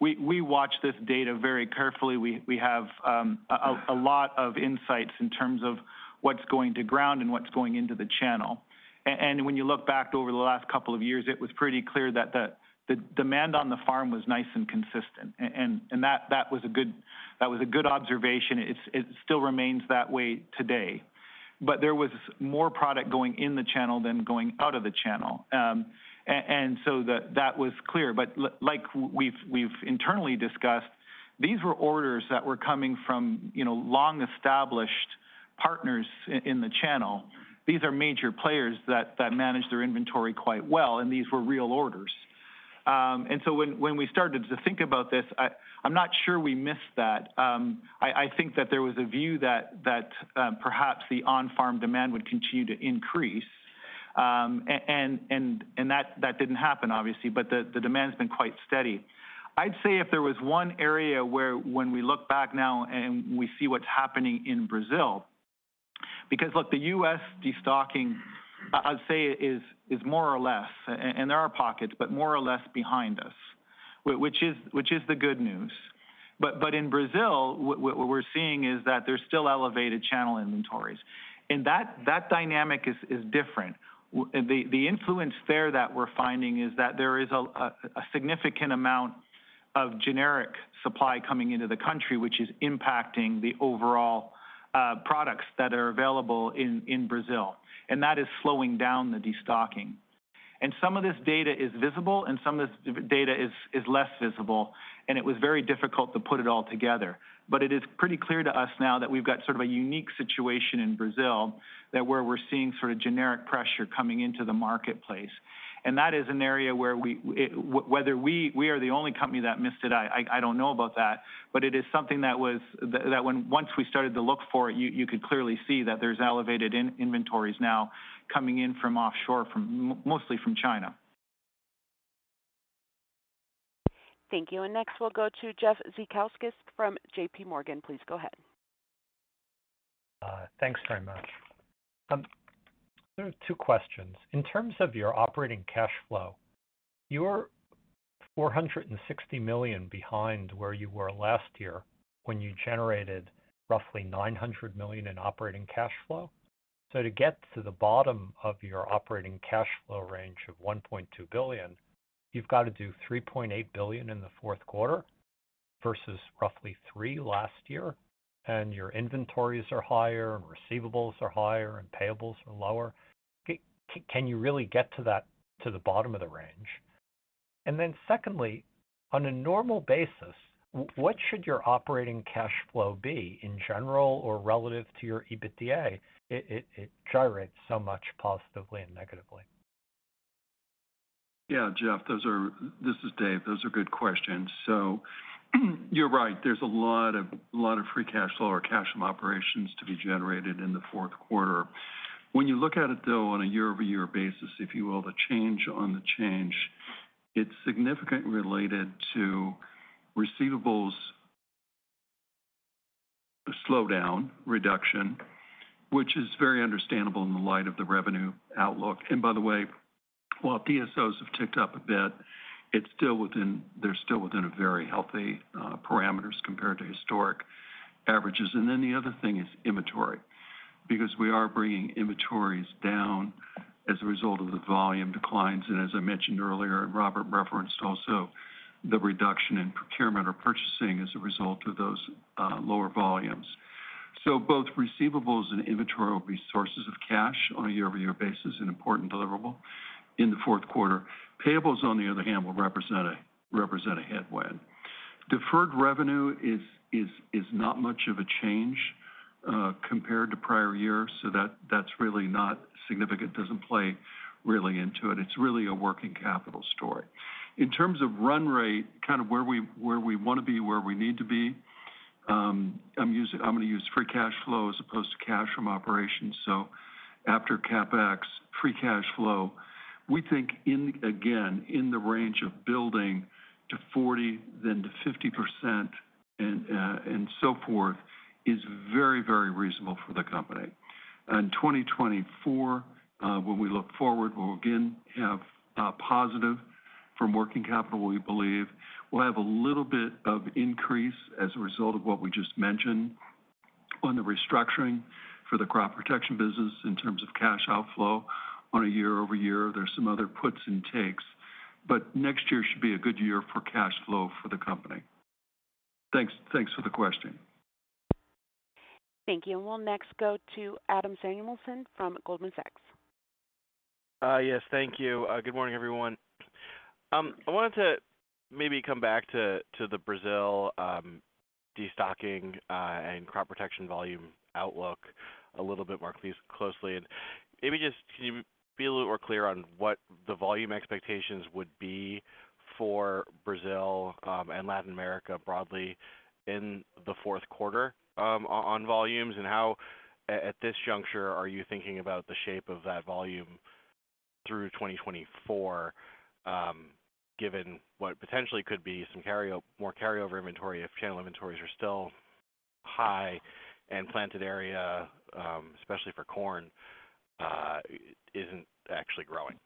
We watch this data very carefully. We have a lot of insights in terms of what's going to ground and what's going into the channel. And when you look back over the last couple of years, it was pretty clear that the demand on the farm was nice and consistent, and that was a good observation. It still remains that way today. But there was more product going in the channel than going out of the channel. And so that was clear. But like we've internally discussed, these were orders that were coming from, you know, long-established partners in the channel. These are major players that manage their inventory quite well, and these were real orders. And so when we started to think about this, I'm not sure we missed that. I think that there was a view that perhaps the on-farm demand would continue to increase. And that didn't happen, obviously, but the demand's been quite steady. I'd say if there was one area where when we look back now and we see what's happening in Brazil... Because, look, the U.S. destocking, I'd say is more or less, and there are pockets, but more or less behind us, which is the good news. But in Brazil, what we're seeing is that there's still elevated channel inventories, and that dynamic is different. The influence there that we're finding is that there is a significant amount of generic supply coming into the country, which is impacting the overall products that are available in Brazil, and that is slowing down the destocking. And some of this data is visible, and some of this data is less visible, and it was very difficult to put it all together. But it is pretty clear to us now that we've got sort of a unique situation in Brazil, where we're seeing sort of generic pressure coming into the marketplace. And that is an area where we, whether we are the only company that missed it, I don't know about that, but it is something that was, that when once we started to look for it, you could clearly see that there's elevated inventories now coming in from offshore, mostly from China. Thank you. Next, we'll go to Jeff Zekauskas from JP Morgan. Please go ahead. Thanks very much. There are two questions. In terms of your operating cash flow, you're $460 million behind where you were last year when you generated roughly $900 million in operating cash flow. So to get to the bottom of your operating cash flow range of $1.2 billion, you've got to do $3.8 billion in the fourth quarter versus roughly $3 billion last year, and your inventories are higher, and receivables are higher, and payables are lower. Can you really get to that, to the bottom of the range? And then secondly, on a normal basis, what should your operating cash flow be in general or relative to your EBITDA? It gyrates so much, positively and negatively. Yeah, Jeff, those are. This is Dave. Those are good questions. So, you're right, there's a lot of, lot of free cash flow or cash from operations to be generated in the fourth quarter. When you look at it, though, on a year-over-year basis, if you will, the change on the change, it's significantly related to receivables slowdown, reduction, which is very understandable in the light of the revenue outlook. And by the way, while PSOs have ticked up a bit, it's still within—they're still within a very healthy parameters compared to historic averages. And then the other thing is inventory, because we are bringing inventories down as a result of the volume declines, and as I mentioned earlier, and Robert referenced also, the reduction in procurement or purchasing as a result of those lower volumes. So both receivables and inventory will be sources of cash on a year-over-year basis, an important deliverable in the fourth quarter. Payables, on the other hand, will represent a headwind. Deferred revenue is not much of a change, compared to prior years, so that's really not significant, doesn't play really into it. It's really a working capital story. In terms of run rate, kind of where we want to be, where we need to be, I'm using. I'm going to use free cash flow as opposed to cash from operations. So after CapEx, free cash flow, we think, again, in the range of building to 40, then to 50%, and so forth, is very, very reasonable for the company. And 2024, when we look forward, we'll again have positive from working capital, we believe. We'll have a little bit of increase as a result of what we just mentioned on the restructuring for the crop protection business in terms of cash outflow on a year-over-year. There's some other puts and takes, but next year should be a good year for cash flow for the company. Thanks, thanks for the question. Thank you. We'll next go to Adam Samuelson from Goldman Sachs. Yes, thank you. Good morning, everyone. I wanted to maybe come back to the Brazil destocking and crop protection volume outlook a little bit more please, closely. And maybe just can you be a little more clear on what the volume expectations would be? For Brazil and Latin America broadly in the fourth quarter on volumes? And how at this juncture are you thinking about the shape of that volume through 2024, given what potentially could be some more carryover inventory if channel inventories are still high and planted area especially for corn isn't actually growing?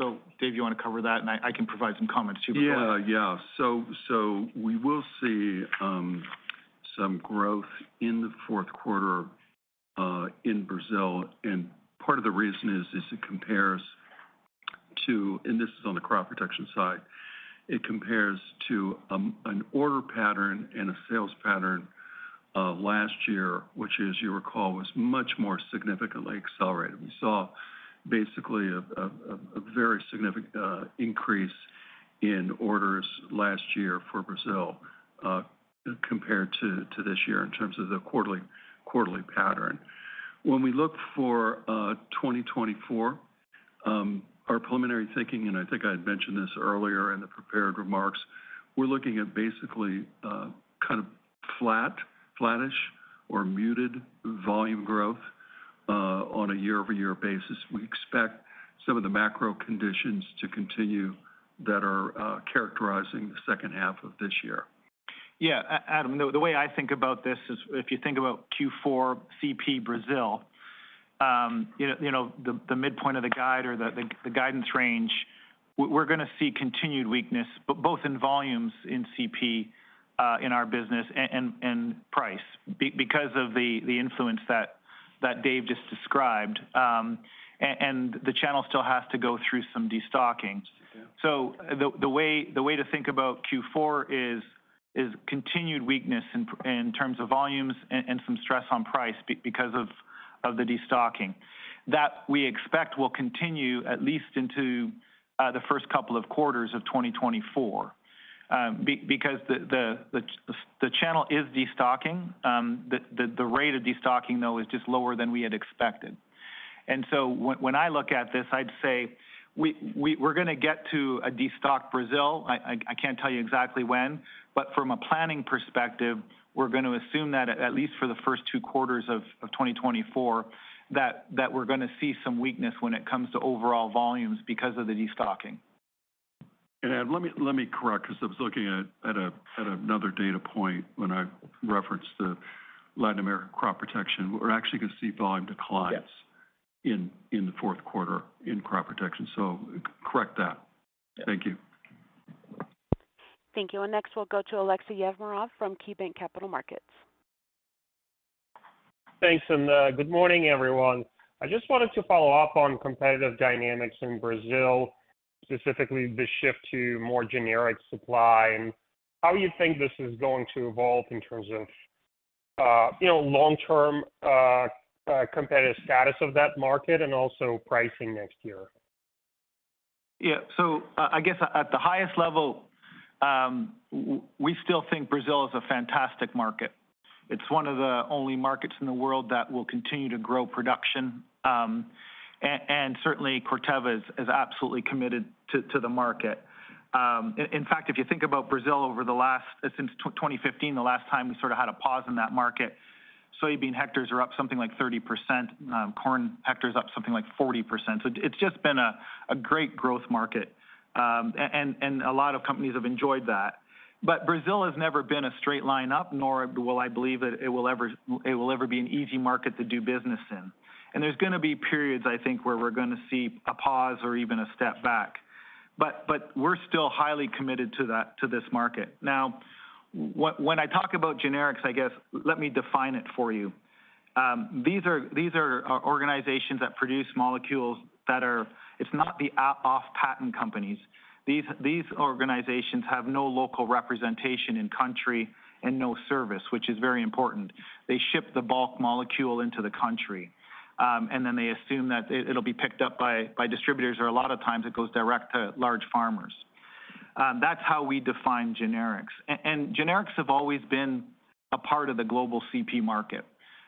So Dave, you wanna cover that? And I, I can provide some comments too, if you like. Yeah, yeah. So, so we will see some growth in the fourth quarter in Brazil, and part of the reason is that it compares to... And this is on the crop protection side. It compares to an order pattern and a sales pattern last year, which as you recall, was much more significantly accelerated. We saw basically a very significant increase in orders last year for Brazil compared to this year in terms of the quarterly pattern. When we look for 2024, our preliminary thinking, and I think I had mentioned this earlier in the prepared remarks, we're looking at basically kind of flat, flattish or muted volume growth on a year-over-year basis. We expect some of the macro conditions to continue that are characterizing the second half of this year. Yeah, Adam, the way I think about this is if you think about Q4 CP Brazil, you know, the midpoint of the guide or the guidance range, we're gonna see continued weakness, but both in volumes in CP in our business and price. Because of the influence that Dave just described, and the channel still has to go through some destocking. Yeah. So the way to think about Q4 is continued weakness in terms of volumes and some stress on price because of the destocking. That we expect will continue at least into the first couple of quarters of 2024. Because the channel is destocking, the rate of destocking, though, is just lower than we had expected. And so when I look at this, I'd say we're gonna get to a destock Brazil. I can't tell you exactly when, but from a planning perspective, we're gonna assume that at least for the first two quarters of 2024, that we're gonna see some weakness when it comes to overall volumes because of the destocking. Let me correct, because I was looking at another data point when I referenced the Latin American crop protection. We're actually gonna see volume declines- Yes... in the fourth quarter in crop protection. So correct that. Yeah. Thank you. Thank you. Next, we'll go to Aleksey Yefremov from KeyBanc Capital Markets. Thanks, and, good morning, everyone. I just wanted to follow up on competitive dynamics in Brazil, specifically the shift to more generic supply and how you think this is going to evolve in terms of, you know, long-term, competitive status of that market and also pricing next year? Yeah. So I guess at the highest level, we still think Brazil is a fantastic market. It's one of the only markets in the world that will continue to grow production, and certainly, Corteva is absolutely committed to the market. In fact, if you think about Brazil over the last... Since 2015, the last time we sort of had a pause in that market, soybean hectares are up something like 30%, corn hectares up something like 40%. So it's just been a great growth market, and a lot of companies have enjoyed that. But Brazil has never been a straight line up, nor will I believe that it will ever be an easy market to do business in. And there's gonna be periods, I think, where we're gonna see a pause or even a step back, but we're still highly committed to that to this market. Now, when I talk about generics, I guess, let me define it for you. These are organizations that produce molecules that are... It's not the off-patent companies. These organizations have no local representation in country and no service, which is very important. They ship the bulk molecule into the country, and then they assume that it, it'll be picked up by distributors, or a lot of times it goes direct to large farmers. That's how we define generics. And generics have always been a part of the global CP market.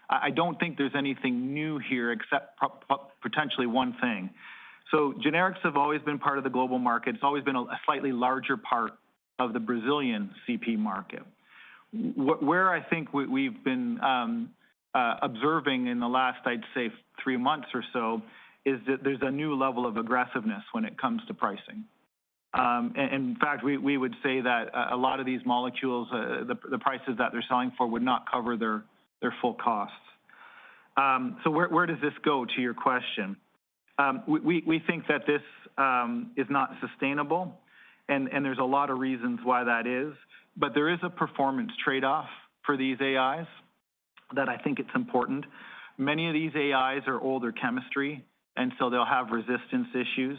I don't think there's anything new here except potentially one thing. So generics have always been part of the global market. It's always been a slightly larger part of the Brazilian CP market. Where I think we, we've been observing in the last, I'd say, three months or so, is that there's a new level of aggressiveness when it comes to pricing. In fact, we would say that a lot of these molecules, the prices that they're selling for would not cover their full costs. So where does this go, to your question? We think that this is not sustainable, and there's a lot of reasons why that is, but there is a performance trade-off for these AIs, that I think it's important. Many of these AIs are older chemistry, and so they'll have resistance issues.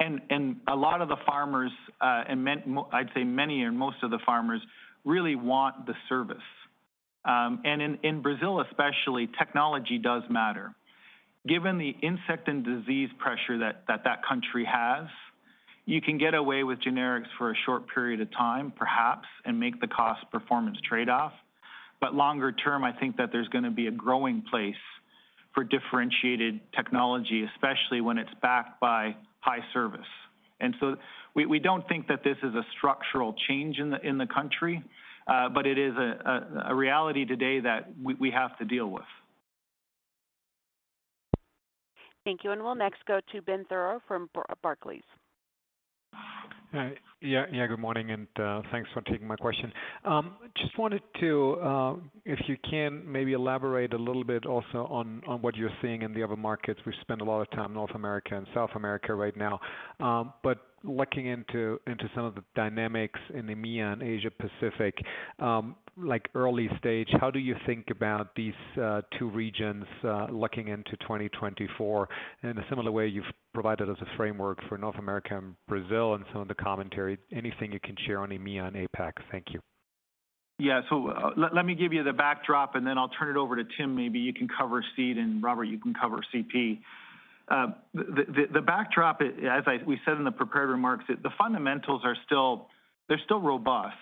A lot of the farmers, I'd say many or most of the farmers, really want the service. And in Brazil, especially, technology does matter. Given the insect and disease pressure that country has, you can get away with generics for a short period of time, perhaps, and make the cost-performance trade-off. But longer term, I think that there's gonna be a growing place for differentiated technology, especially when it's backed by high service. And so we don't think that this is a structural change in the country, but it is a reality today that we have to deal with. Thank you. And we'll next go to Ben Theurer from Barclays. Hi. Yeah, yeah, good morning, and thanks for taking my question. Just wanted to, if you can, maybe elaborate a little bit also on what you're seeing in the other markets. We've spent a lot of time in North America and South America right now, but looking into some of the dynamics in EMEA and Asia Pacific, like early stage, how do you think about these two regions, looking into 2024? In a similar way, you've provided us a framework for North America and Brazil and some of the commentary. Anything you can share on EMEA and APAC? Thank you. Yeah. So let me give you the backdrop, and then I'll turn it over to Tim. Maybe you can cover seed, and Robert, you can cover CP. The backdrop is, as we said in the prepared remarks, that the fundamentals are still, they're still robust.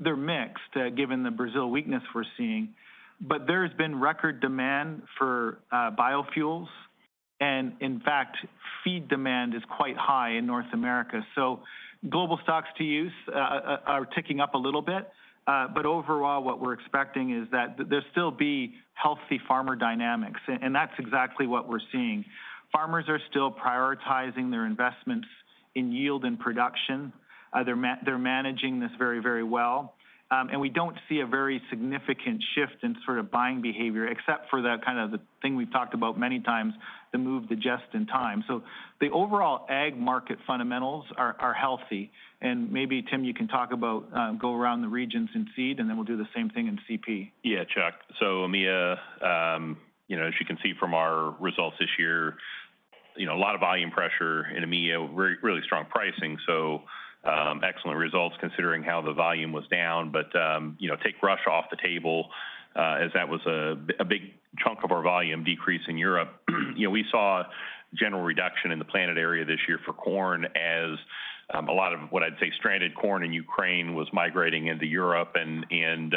They're mixed, given the Brazil weakness we're seeing. But there's been record demand for biofuels, and in fact, feed demand is quite high in North America. So global stocks-to-use are ticking up a little bit, but overall, what we're expecting is that there'll be healthy farmer dynamics, and that's exactly what we're seeing. Farmers are still prioritizing their investments in yield and production. They're managing this very, very well. We don't see a very significant shift in sort of buying behavior, except for the kind of the thing we've talked about many times, the move to just-in-time. So the overall ag market fundamentals are healthy. And maybe, Tim, you can talk about, go around the regions in seed, and then we'll do the same thing in CP. Yeah, Chuck. So EMEA, you know, as you can see from our results this year, you know, a lot of volume pressure in EMEA, really strong pricing. So, excellent results considering how the volume was down. But, you know, take Rush off the table, as that was a big chunk of our volume decrease in Europe. You know, we saw a general reduction in the planted area this year for corn as a lot of what I'd say, stranded corn in Ukraine was migrating into Europe and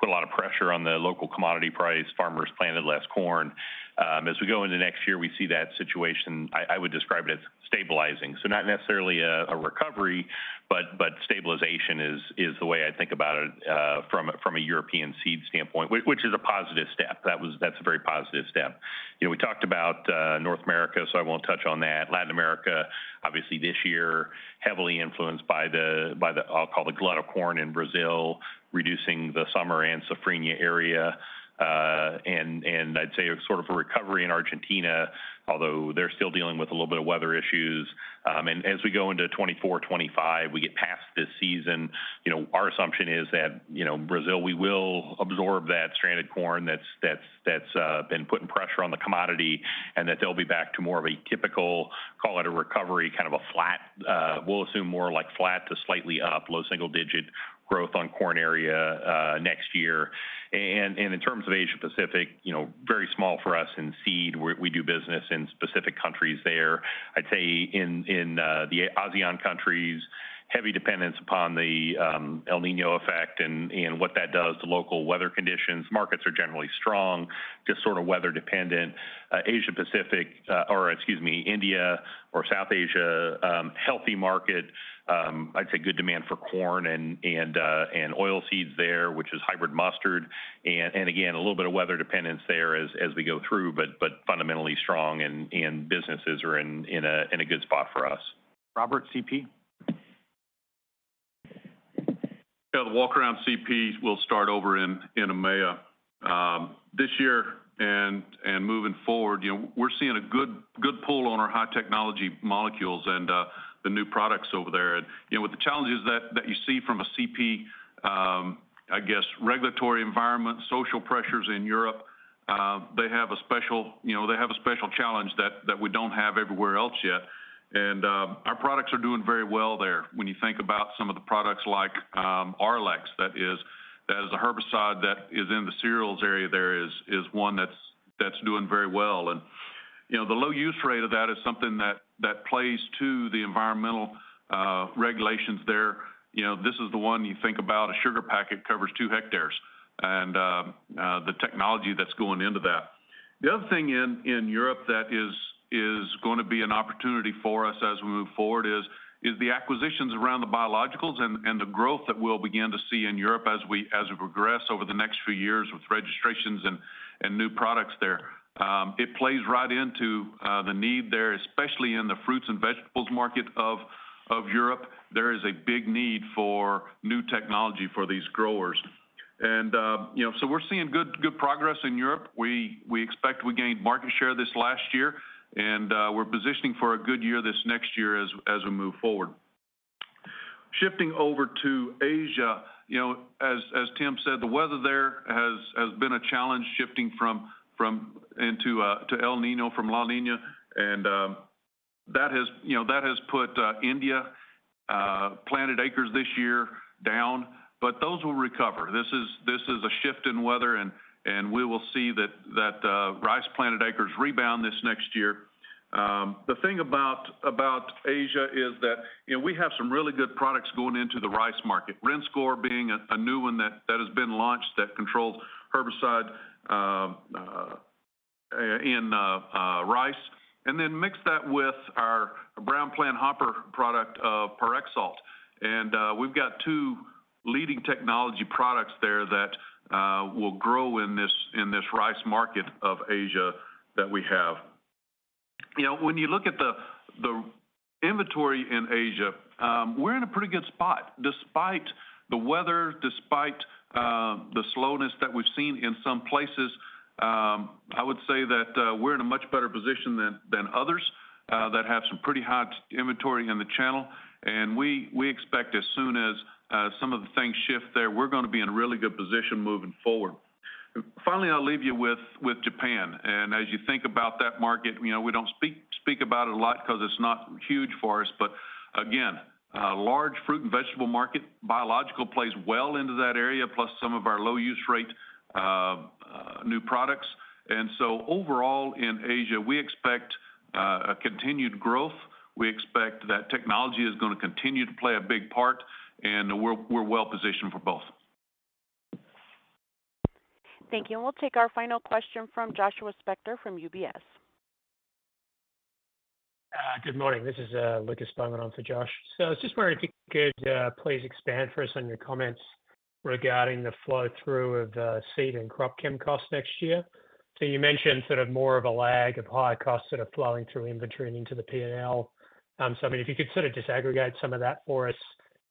put a lot of pressure on the local commodity price. Farmers planted less corn. As we go into next year, we see that situation, I would describe it as stabilizing. So not necessarily a recovery, but stabilization is the way I think about it, from a European seed standpoint, which is a positive step. That was. That's a very positive step. You know, we talked about North America, so I won't touch on that. Latin America, obviously this year, heavily influenced by the, I'll call it the glut of corn in Brazil, reducing the summer and safrinha area, and I'd say a sort of a recovery in Argentina, although they're still dealing with a little bit of weather issues. And as we go into 2024, 2025, we get past this season, you know, our assumption is that, you know, Brazil, we will absorb that stranded corn that's been putting pressure on the commodity, and that they'll be back to more of a typical, call it a recovery, kind of a flat... We'll assume more like flat to slightly up, low single-digit growth on corn area, next year. And in terms of Asia Pacific, you know, very small for us in seed. We do business in specific countries there. I'd say in the ASEAN countries, heavy dependence upon the El Niño effect and what that does to local weather conditions. Markets are generally strong, just sort of weather-dependent. Asia Pacific, or excuse me, India or South Asia, healthy market. I'd say good demand for corn and oil seeds there, which is hybrid mustard. Again, a little bit of weather dependence there as we go through, but fundamentally strong and businesses are in a good spot for us. Robert, CP? Yeah, the walk around CP, we'll start over in EMEA. This year and moving forward, you know, we're seeing a good, good pull on our high-technology molecules and the new products over there. And, you know, with the challenges that you see from a CP, I guess, regulatory environment, social pressures in Europe, they have a special challenge that we don't have everywhere else yet. And our products are doing very well there. When you think about some of the products like Arylex, that is a herbicide that is in the cereals area there, is one that's doing very well. And, you know, the low use rate of that is something that plays to the environmental regulations there. You know, this is the one you think about, a sugar packet covers 2 hectares, and the technology that's going into that. The other thing in Europe that is gonna be an opportunity for us as we move forward is the acquisitions around the biologicals and the growth that we'll begin to see in Europe as we progress over the next few years with registrations and new products there. It plays right into the need there, especially in the fruits and vegetables market of Europe. There is a big need for new technology for these growers. And you know, so we're seeing good progress in Europe. We expect we gained market share this last year, and we're positioning for a good year this next year as we move forward. Shifting over to Asia, you know, as Tim said, the weather there has been a challenge, shifting to El Niño from La Niña, and that has, you know, put India-... planted acres this year down, but those will recover. This is a shift in weather, and we will see that rice-planted acres rebound this next year. The thing about Asia is that, you know, we have some really good products going into the rice market. Rinskor being a new one that has been launched, that controls herbicide in rice, and then mix that with our brown planthopper product, Pyraxalt. And we've got two leading technology products there that will grow in this rice market of Asia that we have. You know, when you look at the inventory in Asia, we're in a pretty good spot despite the weather, despite the slowness that we've seen in some places. I would say that we're in a much better position than others that have some pretty hot inventory in the channel. And we expect as soon as some of the things shift there, we're gonna be in a really good position moving forward. Finally, I'll leave you with Japan, and as you think about that market, you know, we don't speak about it a lot because it's not huge for us. But again, large fruit and vegetable market, biological plays well into that area, plus some of our low use rate new products. And so overall in Asia, we expect a continued growth. We expect that technology is gonna continue to play a big part, and we're well positioned for both. Thank you. We'll take our final question from Joshua Spector, from UBS. Good morning. This is Lucas Beaumont for Josh. So I was just wondering if you could please expand for us on your comments regarding the flow-through of seed and crop chem costs next year. So you mentioned sort of more of a lag of higher costs that are flowing through inventory and into the P&L. So, I mean, if you could sort of disaggregate some of that for us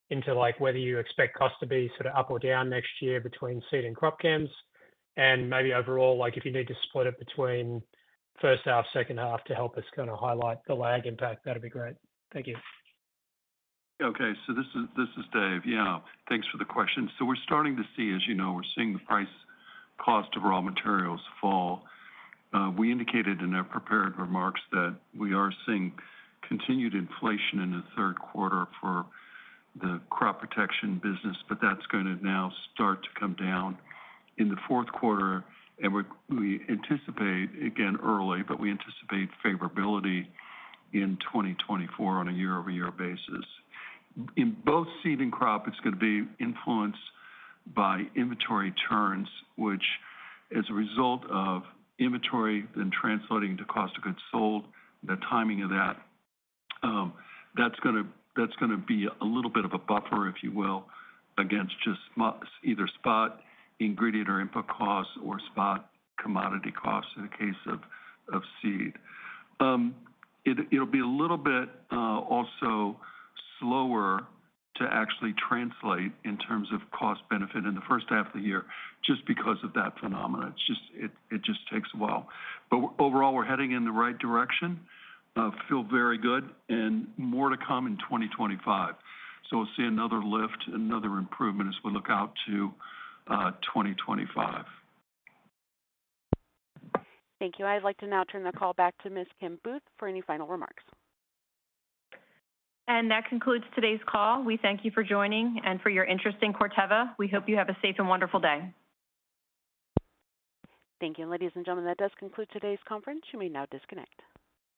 into, like, whether you expect costs to be sort of up or down next year between seed and crop chems. And maybe overall, like, if you need to split it between first half, second half to help us kind of highlight the lag impact, that'd be great. Thank you. Okay, so this is, this is Dave. Yeah, thanks for the question. So we're starting to see, as you know, we're seeing the price cost of raw materials fall. We indicated in our prepared remarks that we are seeing continued inflation in the third quarter for the crop protection business, but that's gonna now start to come down in the fourth quarter. And we anticipate, again, early, but we anticipate favorability in 2024 on a year-over-year basis. In both seed and crop, it's going to be influenced by inventory turns, which as a result of inventory then translating into cost of goods sold, the timing of that, that's gonna be a little bit of a buffer, if you will, against just either spot ingredient or input costs or spot commodity costs in the case of seed. It'll be a little bit also slower to actually translate in terms of cost benefit in the first half of the year, just because of that phenomenon. It's just, it just takes a while. But overall, we're heading in the right direction, feel very good and more to come in 2025. So we'll see another lift, another improvement as we look out to 2025. Thank you. I'd like to now turn the call back to Ms. Kim Booth for any final remarks. That concludes today's call. We thank you for joining and for your interest in Corteva. We hope you have a safe and wonderful day. Thank you. Ladies and gentlemen, that does conclude today's conference. You may now disconnect.